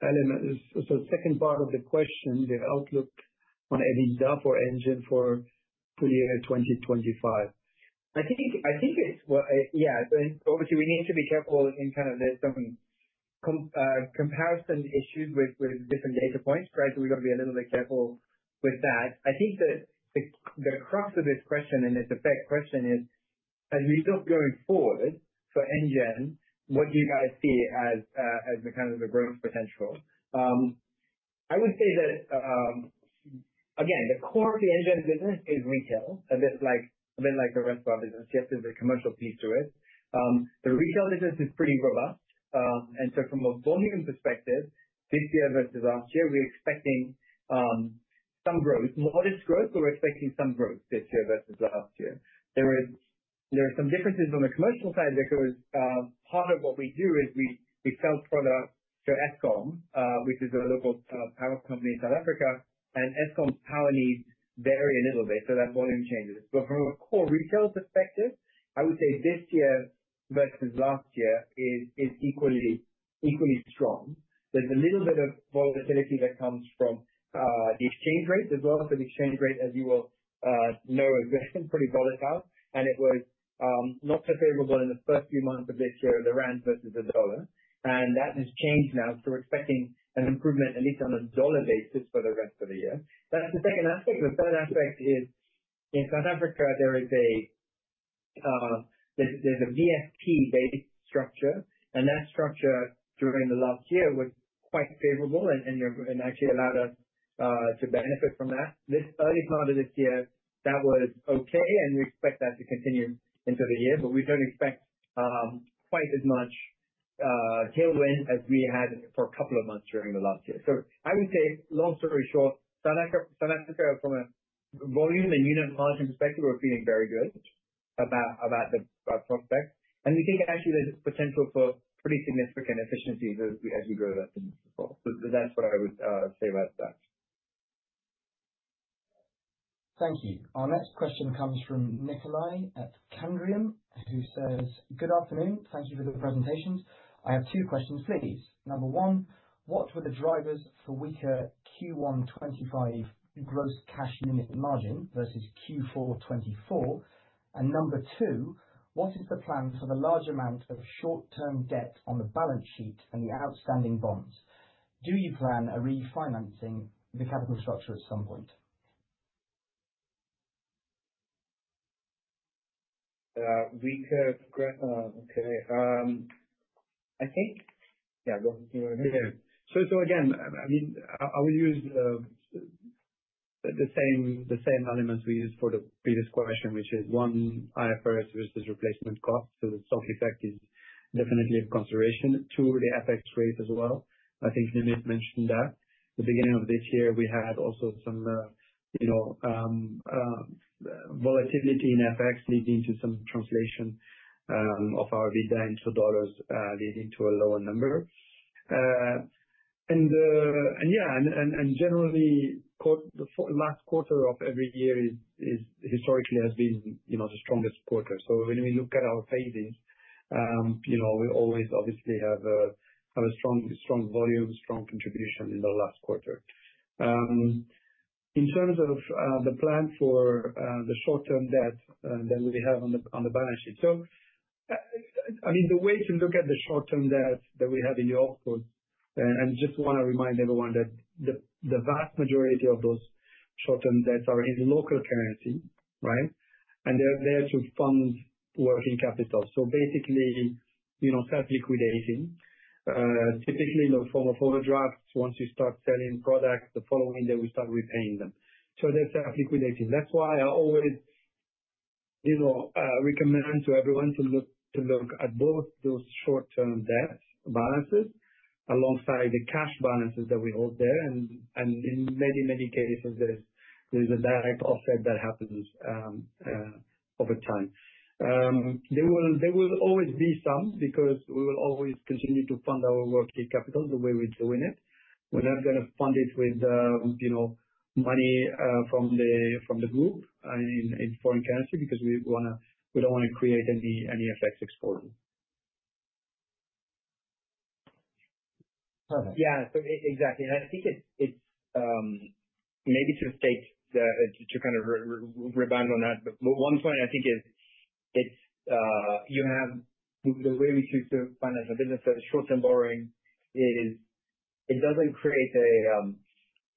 The second element is, the second part of the question, the outlook on EBITDA for Engen for full year 2025. I think it is, yeah, obviously, we need to be careful in kind of, there are some comparison issues with different data points, right? We have got to be a little bit careful with that. I think that the crux of this question and its effect question is, as we look going forward for Engen, what do you guys see as kind of the growth potential? I would say that, again, the core of the Engen business is retail, a bit like the restaurant business, just as the commercial piece to it. The retail business is pretty robust. From a volume perspective, this year versus last year, we're expecting some growth, modest growth, but we're expecting some growth this year versus last year. There are some differences on the commercial side because part of what we do is we sell products to Eskom, which is a local power company in South Africa, and Eskom's power needs vary a little bit, so that volume changes. From a core retail perspective, I would say this year versus last year is equally strong. There's a little bit of volatility that comes from the exchange rate as well. The exchange rate, as you will know, has been pretty volatile, and it was not so favorable in the first few months of this year of the rand versus the dollar. That has changed now. We're expecting an improvement, at least on a dollar basis, for the rest of the year. That's the second aspect. The third aspect is, in South Africa, there's a VSP-based structure, and that structure during the last year was quite favorable and actually allowed us to benefit from that. This early part of this year, that was okay, and we expect that to continue into the year, but we don't expect quite as much tailwind as we had for a couple of months during the last year. I would say, long story short, South Africa, from a volume and unit margin perspective, we're feeling very good about the prospects. We think, actually, there's potential for pretty significant efficiencies as we grow that business as well. That's what I would say about that. Thank you. Our next question comes from Nikolai at Candriam, who says, "Good afternoon. Thank you for the presentations. I have two questions, please. Number one, what were the drivers for weaker Q1 2025 gross cash unit margin versus Q4 2024? And number two, what is the plan for the large amount of short-term debt on the balance sheet and the outstanding bonds? Do you plan on refinancing the capital structure at some point?" Weaker, okay. I think, yeah, go ahead. Again, I mean, I will use the same elements we used for the previous question, which is one IFRS versus replacement cost. The stock effect is definitely a consideration to the FX rate as well. I think Nimit mentioned that. The beginning of this year, we had also some volatility in FX leading to some translation of our EBITDA into dollars leading to a lower number. Yeah, and generally, the last quarter of every year historically has been the strongest quarter. When we look at our phases, we always obviously have a strong volume, strong contribution in the last quarter. In terms of the plan for the short-term debt that we have on the balance sheet, I mean, the way to look at the short-term debt that we have in the output, and I just want to remind everyone that the vast majority of those short-term debts are in local currency, right? They are there to fund working capital. Basically, self-liquidating, typically in the form of overdrafts. Once you start selling products, the following day we start repaying them. They are self-liquidating. That's why I always recommend to everyone to look at both those short-term debt balances alongside the cash balances that we hold there. In many, many cases, there's a direct offset that happens over time. There will always be some because we will always continue to fund our working capital the way we're doing it. We're not going to fund it with money from the group in foreign currency because we don't want to create any effects exporting. Perfect. Yeah, exactly. I think it's maybe to kind of rebound on that, but one point I think is you have the way we choose to finance our business, short-term borrowing, it doesn't create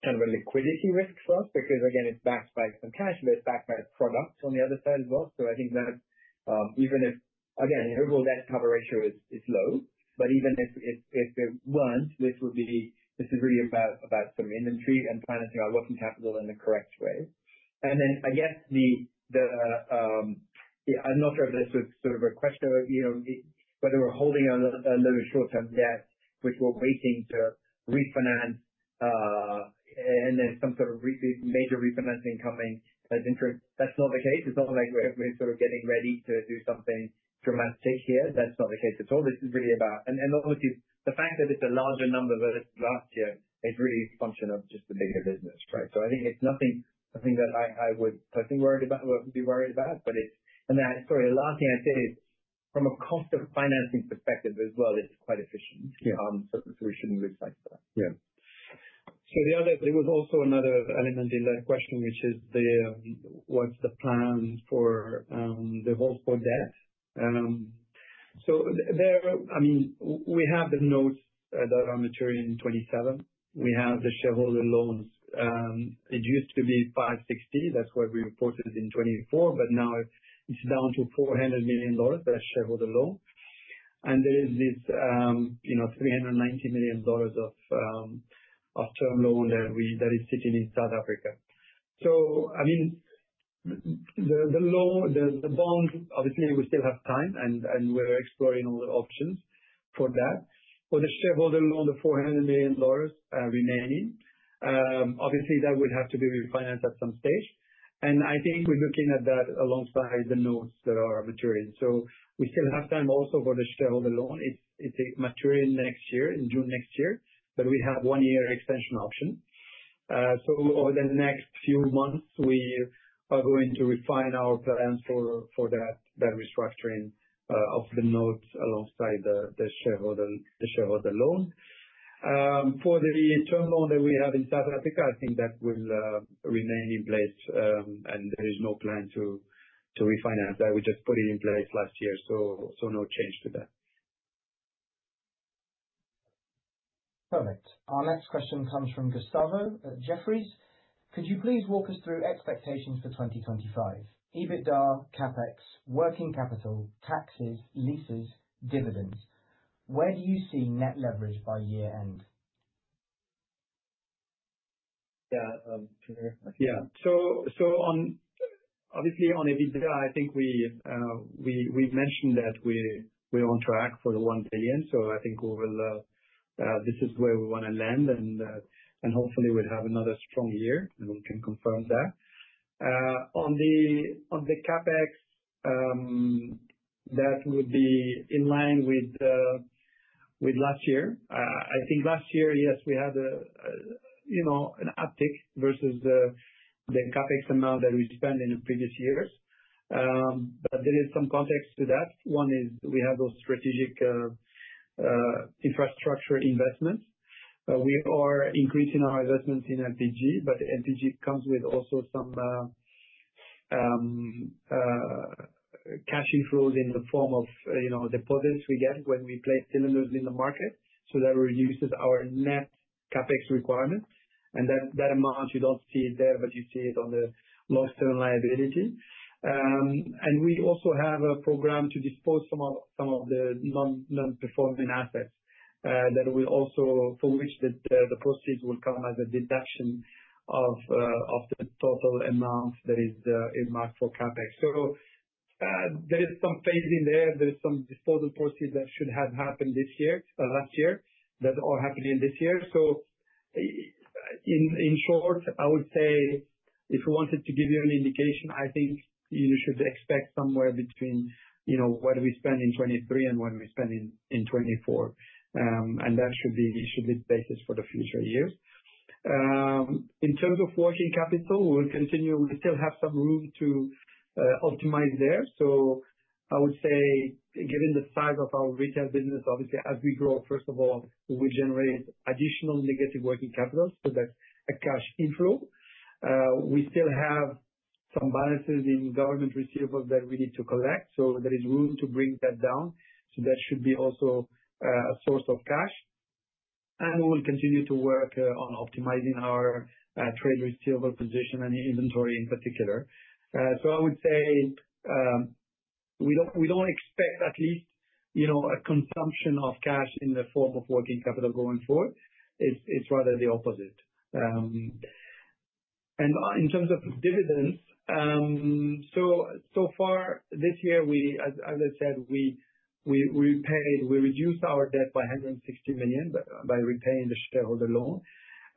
kind of a liquidity risk for us because, again, it's backed by some cash, but it's backed by product on the other side as well. I think that even if, again, overall debt cover ratio is low, but even if it weren't, this would be really about some inventory and financing our working capital in the correct way. I guess the—I'm not sure if this was sort of a question—whether we're holding a little short-term debt, which we're waiting to refinance, and there's some sort of major refinancing coming as interest. That's not the case. It's not like we're sort of getting ready to do something dramatic here. That's not the case at all. This is really about—and obviously, the fact that it's a larger number versus last year is really a function of just the bigger business, right? I think it's nothing that I would personally be worried about. Sorry, the last thing I'd say is, from a cost of financing perspective as well, it's quite efficient. We should not lose sight of that. Yeah. There was also another element in that question, which is what is the plan for the whole port debt? I mean, we have the notes that are maturing in 2027. We have the shareholder loans. It used to be $560 million. That is what we reported in 2024, but now it is down to $400 million as shareholder loan. There is this $390 million of term loan that is sitting in South Africa. I mean, the bond, obviously, we still have time, and we are exploring all the options for that. For the shareholder loan, the $400 million remaining. Obviously, that would have to be refinanced at some stage. I think we are looking at that alongside the notes that are maturing. We still have time also for the shareholder loan. It's maturing next year, in June next year, but we have one-year extension option. Over the next few months, we are going to refine our plans for that restructuring of the notes alongside the shareholder loan. For the term loan that we have in South Africa, I think that will remain in place, and there is no plan to refinance that. We just put it in place last year, so no change to that. Perfect. Our next question comes from Gustavo Jefferies. "Could you please walk us through expectations for 2025? EBITDA, CapEx, working capital, taxes, leases, dividends. Where do you see net leverage by year-end?" Yeah. Yeah. Obviously, on EBITDA, I think we mentioned that we're on track for the one billion. I think this is where we want to land, and hopefully, we'll have another strong year, and we can confirm that. On the CapEx, that would be in line with last year. I think last year, yes, we had an uptick versus the CapEx amount that we spent in the previous years. There is some context to that. One is we have those strategic infrastructure investments. We are increasing our investments in LPG, but LPG comes with also some cash inflows in the form of deposits we get when we place cylinders in the market. That reduces our net CapEx requirement. That amount, you do not see it there, but you see it on the long-term liability. We also have a program to dispose of some of the non-performing assets for which the proceeds will come as a deduction of the total amount that is marked for CapEx. There is some phasing there. There is some disposal proceeds that should have happened last year that are happening this year. In short, I would say, if we wanted to give you an indication, I think you should expect somewhere between what we spend in 2023 and what we spend in 2024. That should be the basis for the future years. In terms of working capital, we will continue, we still have some room to optimize there. I would say, given the size of our retail business, obviously, as we grow, first of all, we generate additional negative working capital, so that is a cash inflow. We still have some balances in government receivables that we need to collect. There is room to bring that down. That should be also a source of cash. We will continue to work on optimizing our trade receivable position and inventory in particular. I would say we do not expect at least a consumption of cash in the form of working capital going forward. It is rather the opposite. In terms of dividends, so far this year, as I said, we repaid, we reduced our debt by $160 million by repaying the shareholder loan.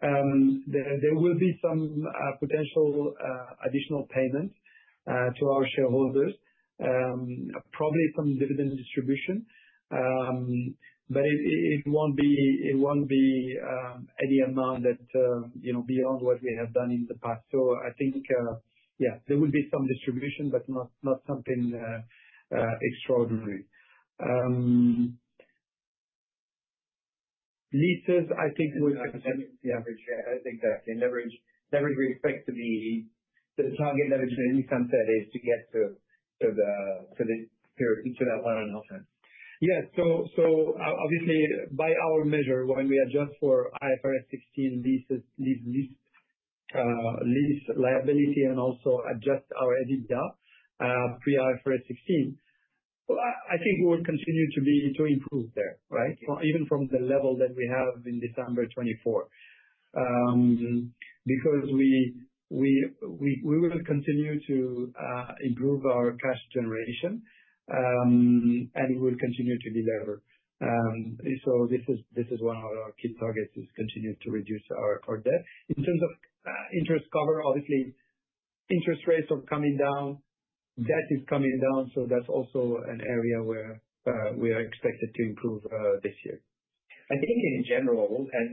There will be some potential additional payments to our shareholders, probably some dividend distribution, but it will not be any amount beyond what we have done in the past. I think, yeah, there will be some distribution, but not something extraordinary. Leases, I think we will continue. Yeah, exactly. Leverage would expect to be the target leverage that Issam said is to get to the period, to that one-and-a-half time. Yeah. Obviously, by our measure, when we adjust for IFRS 16 lease liability and also adjust our EBITDA pre-IFRS 16, I think we will continue to improve there, right? Even from the level that we have in December 2024, because we will continue to improve our cash generation, and we will continue to deliver. This is one of our key targets: continue to reduce our debt. In terms of interest cover, obviously, interest rates are coming down. Debt is coming down. That is also an area where we are expected to improve this year. I think in general, and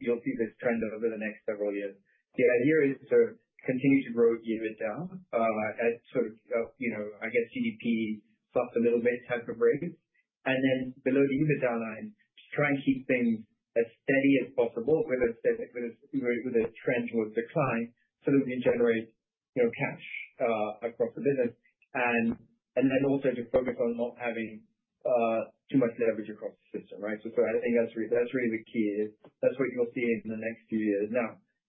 you will see this trend over the next several years, the idea is to continue to grow EBITDA at sort of, I guess, GDP+ a little bit type of rate. Below the EBITDA line, try and keep things as steady as possible with a trend towards decline so that we can generate cash across the business. Also to focus on not having too much leverage across the system, right? I think that's really the key. That's what you'll see in the next few years.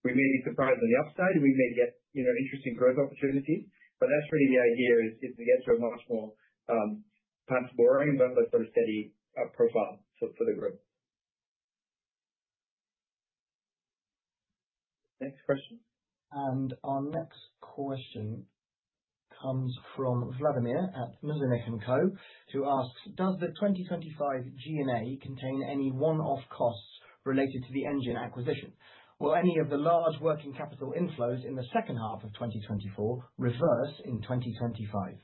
We may be surprised on the upside, and we may get interesting growth opportunities. That's really the idea, to get to a much more perhaps boring, but sort of steady profile for the growth. Next question. Our next question comes from Vladimir at Muzinich & Co, who asks, "Does the 2025 G&A contain any one-off costs related to the Engen acquisition? Will any of the large working capital inflows in the second half of 2024 reverse in 2025?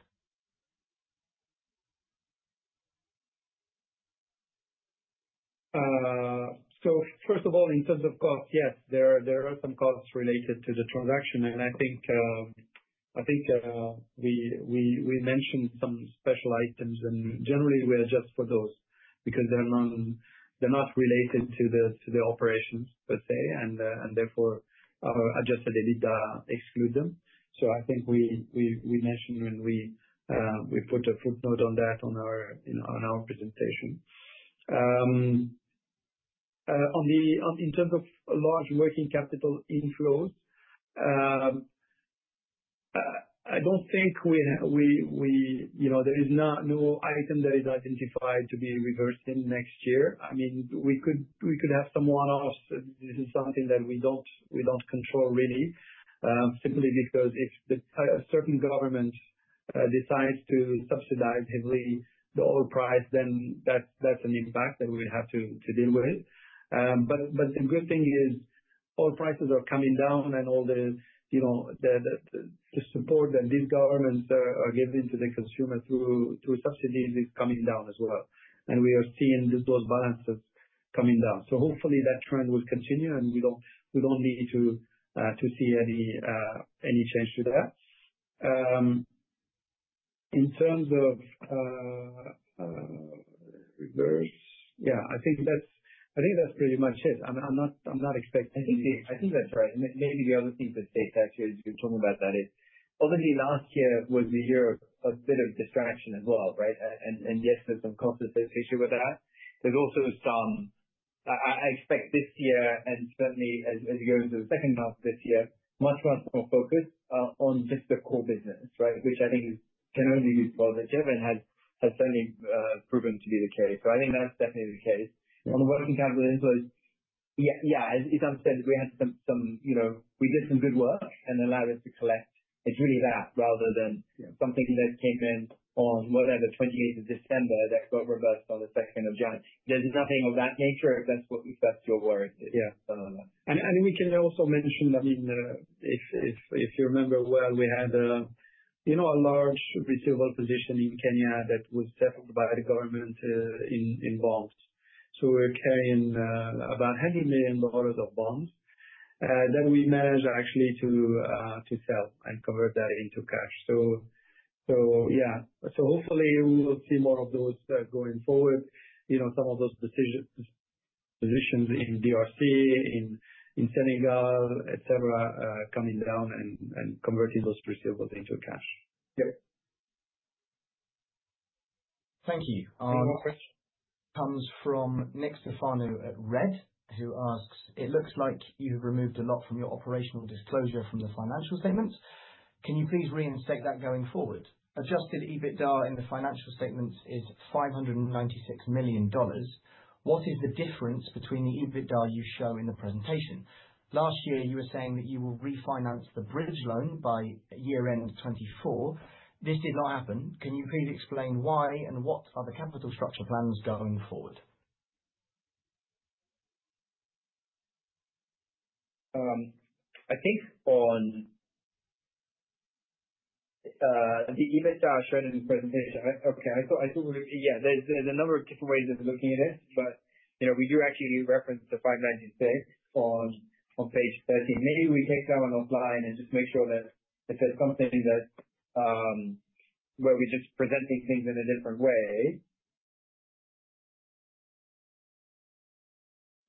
First of all, in terms of cost, yes, there are some costs related to the transaction. I think we mentioned some special items, and generally, we adjust for those because they're not related to the operations, let's say, and therefore Adjusted EBITDA excludes them. I think we mentioned that when we put a footnote on that on our presentation. In terms of large working capital inflows, I don't think there is any item that is identified to be reversing next year. I mean, we could have some one-offs. This is something that we don't control really, simply because if a certain government decides to subsidize heavily the oil price, then that's an impact that we would have to deal with. The good thing is oil prices are coming down, and all the support that these governments are giving to the consumer through subsidies is coming down as well. We are seeing those balances coming down. Hopefully, that trend will continue, and we do not need to see any change to that. In terms of reverse, yeah, I think that is pretty much it. I am not expecting anything. I think that is right. Maybe the other thing to state actually as you are talking about that is, obviously, last year was a year of a bit of distraction as well, right? Yes, there is some cost associated with that. There is also some—I expect this year, and certainly as we go into the second half of this year, much more focus on just the core business, right? Which I think can only be positive and has certainly proven to be the case. I think that's definitely the case. On the working capital inflows, yeah, as it's understood, we did some good work and allowed us to collect. It's really that rather than something that came in on, whatever, 28th of December that got reversed on the 2nd of January. There's nothing of that nature if that's what your worry is. Yeah. We can also mention, I mean, if you remember well, we had a large receivable position in Kenya that was settled by the government in bonds. We're carrying about $100 million of bonds that we managed actually to sell and convert that into cash. Yeah. Hopefully, we will see more of those going forward, some of those positions in DRC, in Senegal, etc., coming down and converting those receivables into cash. Yep. Thank you. One more question. Comes from Nick Stefano at RED, who asks, "It looks like you have removed a lot from your operational disclosure from the financial statements. Can you please reinstate that going forward? Adjusted EBITDA in the financial statements is $596 million. What is the difference between the EBITDA you show in the presentation? Last year, you were saying that you will refinance the bridge loan by year-end 2024. This did not happen. Can you please explain why and what are the capital structure plans going forward?" I think on the EBITDA shown in the presentation, okay, I think we—yeah, there is a number of different ways of looking at it, but we do actually reference the 596 on page 13. Maybe we take that one offline and just make sure that if there's something where we're just presenting things in a different way,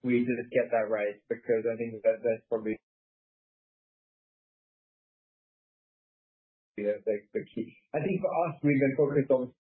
we just get that right because I think that's probably the key. I think for us, we've been focused on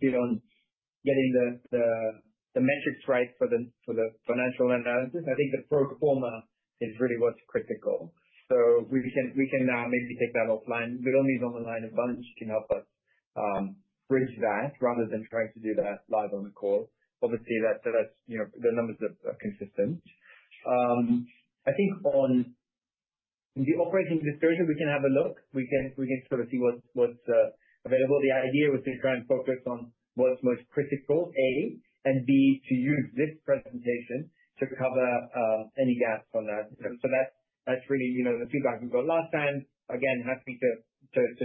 getting the metrics right for the financial analysis. I think the pro forma is really what's critical. We can maybe take that offline. We don't need online a bunch to help us bridge that rather than trying to do that live on the call. Obviously, the numbers are consistent. I think on the operating disclosure, we can have a look. We can sort of see what's available. The idea was to try and focus on what's most critical, A, and B, to use this presentation to cover any gaps on that. That's really the feedback we got last time. Again, happy to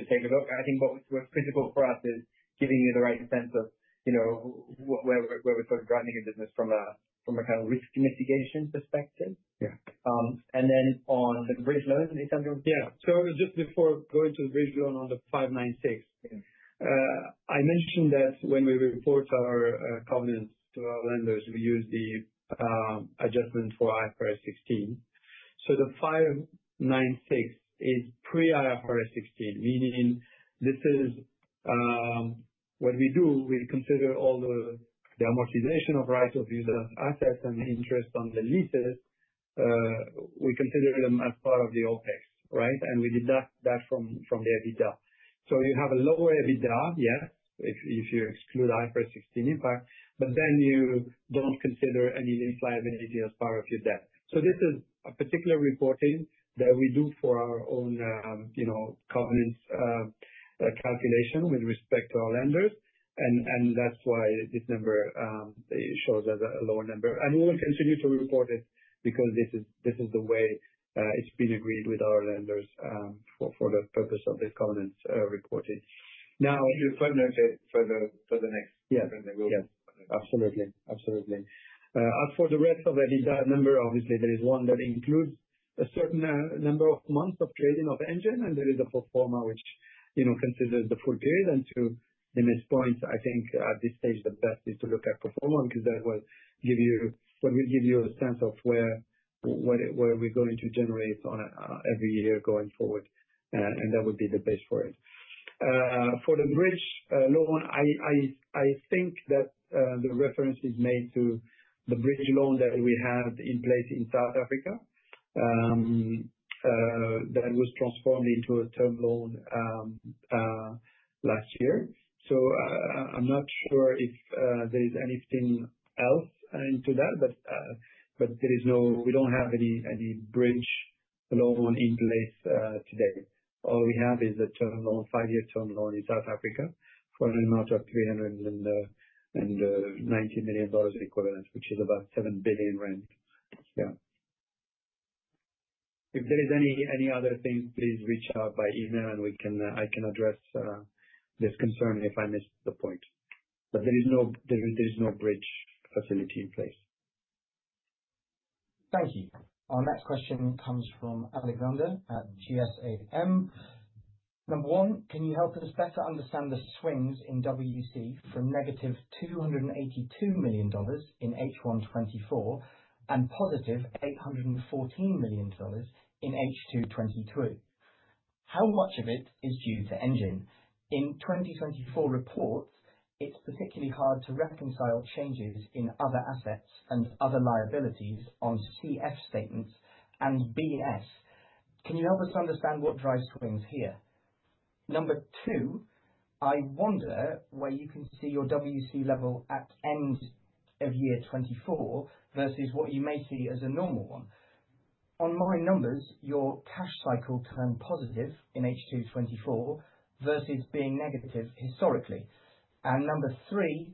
take a look. I think what's critical for us is giving you the right sense of where we're sort of running a business from a kind of risk mitigation perspective. On the bridge loan, it sounds like—Yeah. Just before going to the bridge loan on the 596, I mentioned that when we report our covenants to our lenders, we use the adjustment for IFRS 16. The 596 is pre-IFRS 16, meaning this is what we do. We consider all the amortization of rights of use assets and interest on the leases. We consider them as part of the OpEx, right? We deduct that from the EBITDA. You have a lower EBITDA, yes, if you exclude IFRS 16 impact, but then you do not consider any lease liability as part of your debt. This is a particular reporting that we do for our own covenants calculation with respect to our lenders. That is why this number shows as a lower number. We will continue to report it because this is the way it has been agreed with our lenders for the purpose of the covenants reporting. You will find out for the next sprint that we will be— Yeah. Absolutely. Absolutely. As for the rest of the EBITDA number, obviously, there is one that includes a certain number of months of trading of Engen, and there is a pro forma which considers the full period. To Nimit's point, I think at this stage, the best is to look at pro forma because that will give you—what will give you a sense of where we are going to generate on every year going forward. That would be the base for it. For the bridge loan, I think that the reference is made to the bridge loan that we had in place in South Africa that was transformed into a term loan last year. I am not sure if there is anything else into that, but there is no—we do not have any bridge loan in place today. All we have is a term loan, five-year term loan in South Africa for an amount of $390 million equivalent, which is about 7 billion rand. Yeah. If there is any other things, please reach out by email, and I can address this concern if I missed the point. There is no bridge facility in place. Thank you. Our next question comes from Alexander at GSAM. Number one, can you help us better understand the swings in WC from -$282 million in H1 2024 and +$814 million in H2 2023? How much of it is due to Engen? In 2024 reports, it's particularly hard to reconcile changes in other assets and other liabilities on CF statements and BS. Can you help us understand what drives swings here? Number two, I wonder where you can see your WC level at end of year 2024 versus what you may see as a normal one. On my numbers, your cash cycle turned positive in H2 2024 versus being negative historically. And number three,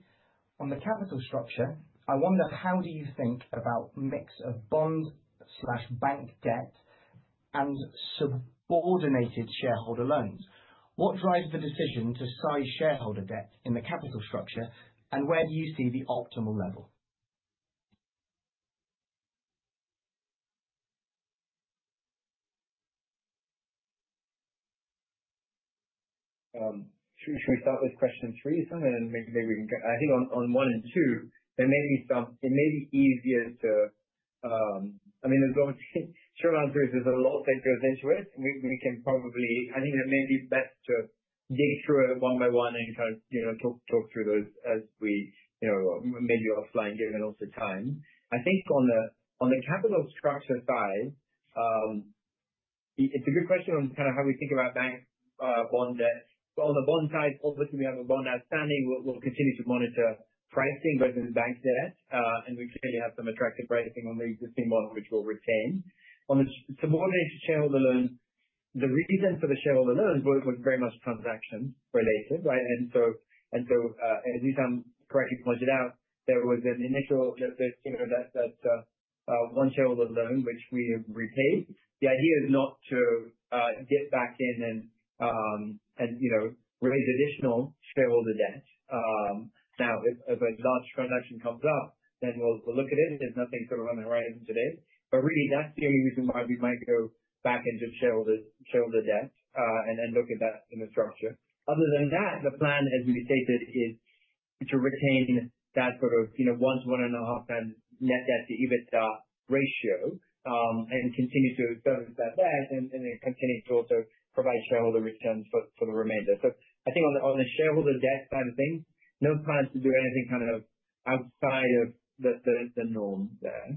on the capital structure, I wonder how do you think about mix of bond/bank debt and subordinated shareholder loans? What drives the decision to size shareholder debt in the capital structure, and where do you see the optimal level? Should we start with question three or something? Maybe we can—I think on one and two, there may be some—it may be easier to—I mean, short answer is there's a lot that goes into it. We can probably—I think it may be best to dig through it one by one and kind of talk through those as we maybe offline given also time. I think on the capital structure side, it's a good question on kind of how we think about bank bond debt. On the bond side, obviously, we have a bond outstanding. We'll continue to monitor pricing versus bank debt. We clearly have some attractive pricing on the existing bond, which we'll retain. On the subordinated shareholder loan, the reason for the shareholder loan was very much transaction related, right? At least as correctly pointed out, there was an initial—that's one shareholder loan, which we have repaid. The idea is not to get back in and raise additional shareholder debt. Now, if a large transaction comes up, then we'll look at it. There is nothing sort of on the horizon today. That is really the only reason why we might go back into shareholder debt and look at that in the structure. Other than that, the plan, as we stated, is to retain that sort of one to 1.5xti net debt to EBITDA ratio and continue to service that debt and then continue to also provide shareholder returns for the remainder. I think on the shareholder debt side of things, no plans to do anything kind of outside of the norm there.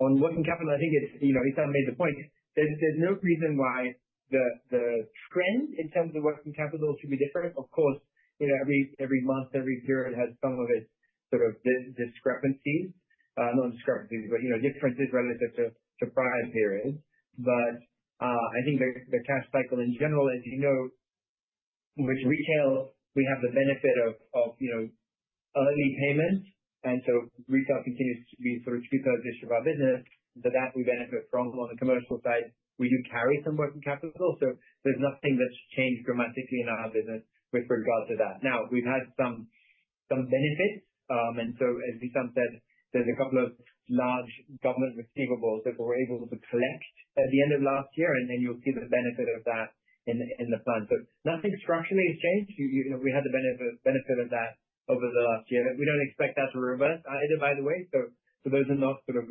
On working capital, I think it's—Issam made the point. There is no reason why the trend in terms of working capital should be different. Of course, every month, every period has some of its sort of discrepancies. Not discrepancies, but differences relative to prior periods. I think the cash cycle in general, as you know, with retail, we have the benefit of early payments. Retail continues to be sort of a precursor of our business. That we benefit from. On the commercial side, we do carry some working capital. There is nothing that has changed dramatically in our business with regard to that. We have had some benefits. As Issam said, there are a couple of large government receivables that we were able to collect at the end of last year. You will see the benefit of that in the plan. Nothing structurally has changed. We had the benefit of that over the last year. We do not expect that to reverse either, by the way. Those are not sort of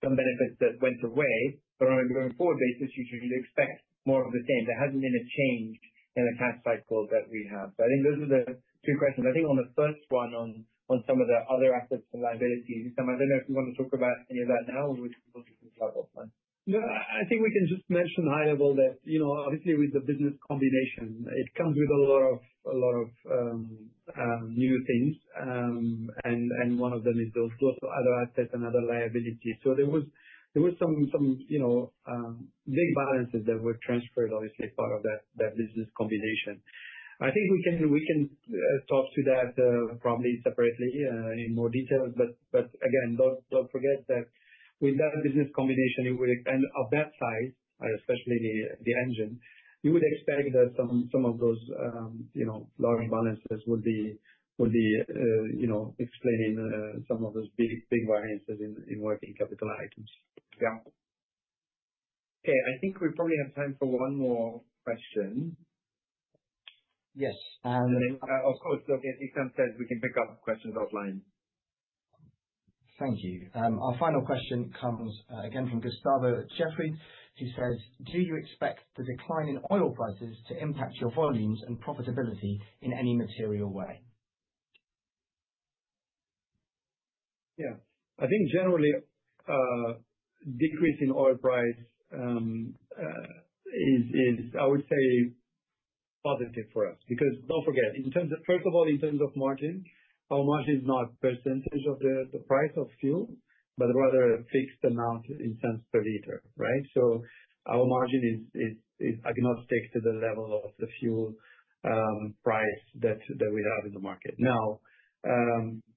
some benefits that went away. On a going forward basis, you should expect more of the same. There has not been a change in the cash cycle that we have. I think those are the two questions. I think on the first one, on some of the other assets and liabilities, I do not know if you want to talk about any of that now or we can just have offline. I think we can just mention high level that, obviously, with the business combination, it comes with a lot of new things. One of them is those other assets and other liabilities. There were some big balances that were transferred, obviously, as part of that business combination. I think we can talk to that probably separately in more detail. Again, don't forget that with that business combination, and of that size, especially the Engen, you would expect that some of those large balances would be explaining some of those big variances in working capital items. Yeah. Okay. I think we probably have time for one more question. Yes. Of course. If Issam says, we can pick up questions offline. Thank you. Our final question comes again from Gustavo at Jefferies. He says, "Do you expect the decline in oil prices to impact your volumes and profitability in any material way?" Yeah. I think generally, decrease in oil price is, I would say, positive for us because don't forget, first of all, in terms of margin, our margin is not a percentage of the price of fuel, but rather a fixed amount in cents per L, right? Our margin is agnostic to the level of the fuel price that we have in the market. Now,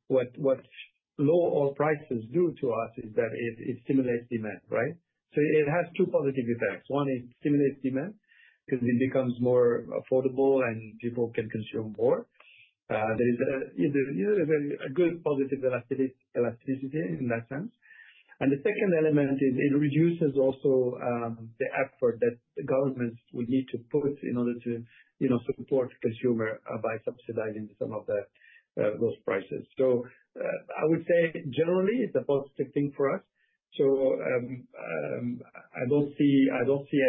what low oil prices do to us is that it stimulates demand, right? It has two positive effects. One is it stimulates demand because it becomes more affordable and people can consume more. There is a good positive elasticity in that sense. The second element is it reduces also the effort that governments will need to put in order to support the consumer by subsidizing some of those prices. I would say, generally, it's a positive thing for us. I don't see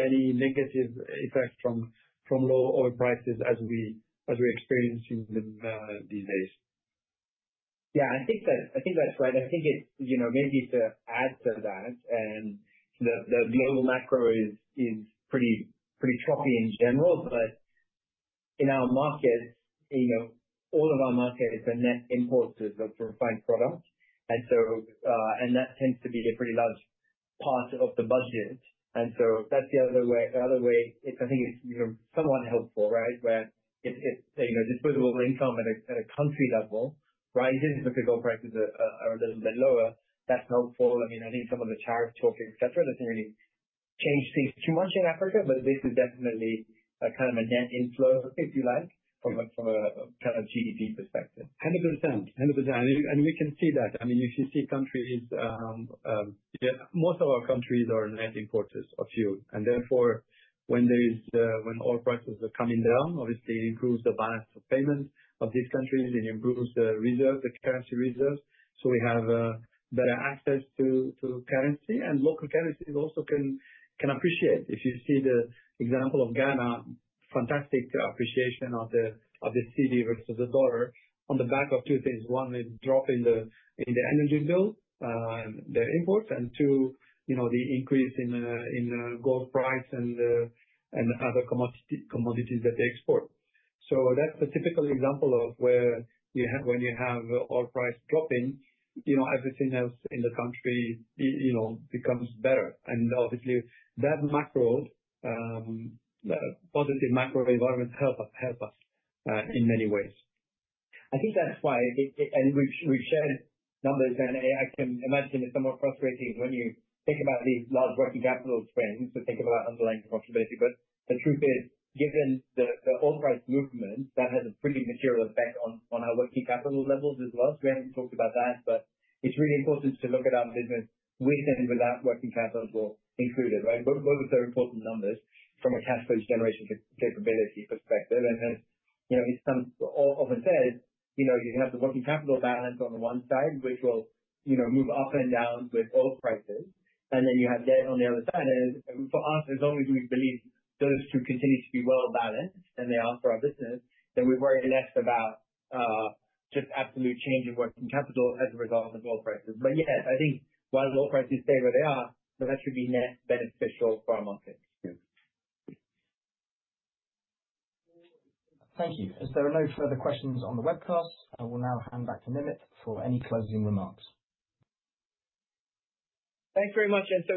any negative effects from low oil prices as we're experiencing them these days. Yeah. I think that's right. I think maybe to add to that, the global macro is pretty choppy in general. In our markets, all of our markets are net importers of refined product. That tends to be a pretty large part of the budget. That is the other way. I think it is somewhat helpful, right? If disposable income at a country level rises because oil prices are a little bit lower, that is helpful. I think some of the tariff talk, etc., does not really change things too much in Africa, but this is definitely kind of a net inflow, if you like, from a kind of GDP perspective. 100%. 100%. We can see that. If you see countries, most of our countries are net importers of fuel. Therefore, when oil prices are coming down, obviously, it improves the balance of payment of these countries. It improves the reserves, the currency reserves. We have better access to currency. Local currencies also can appreciate. If you see the example of Ghana, fantastic appreciation of the cedi versus the dollar on the back of two things. One, it is dropping the energy bill, the imports. Two, the increase in gold price and other commodities that they export. That is a typical example of where when you have oil price dropping, everything else in the country becomes better. Obviously, that positive macro environment helps us in many ways. I think that is why. We have shared numbers, and I can imagine it is somewhat frustrating when you think about these large working capital trends to think about underlying profitability. The truth is, given the oil price movement, that has a pretty material effect on our working capital levels as well. We have not talked about that, but it is really important to look at our business with and without working capital included, right? Both are important numbers from a cash flow generation capability perspective. As Issam often says, you have the working capital balance on the one side, which will move up and down with oil prices. You have debt on the other side. For us, as long as we believe those two continue to be well balanced, and they are for our business, we worry less about just absolute change in working capital as a result of oil prices. Yes, I think while oil prices stay where they are, that should be net beneficial for our markets. Thank you. If there are no further questions on the webcast, I will now hand back to Nimit for any closing remarks. Thanks very much, and.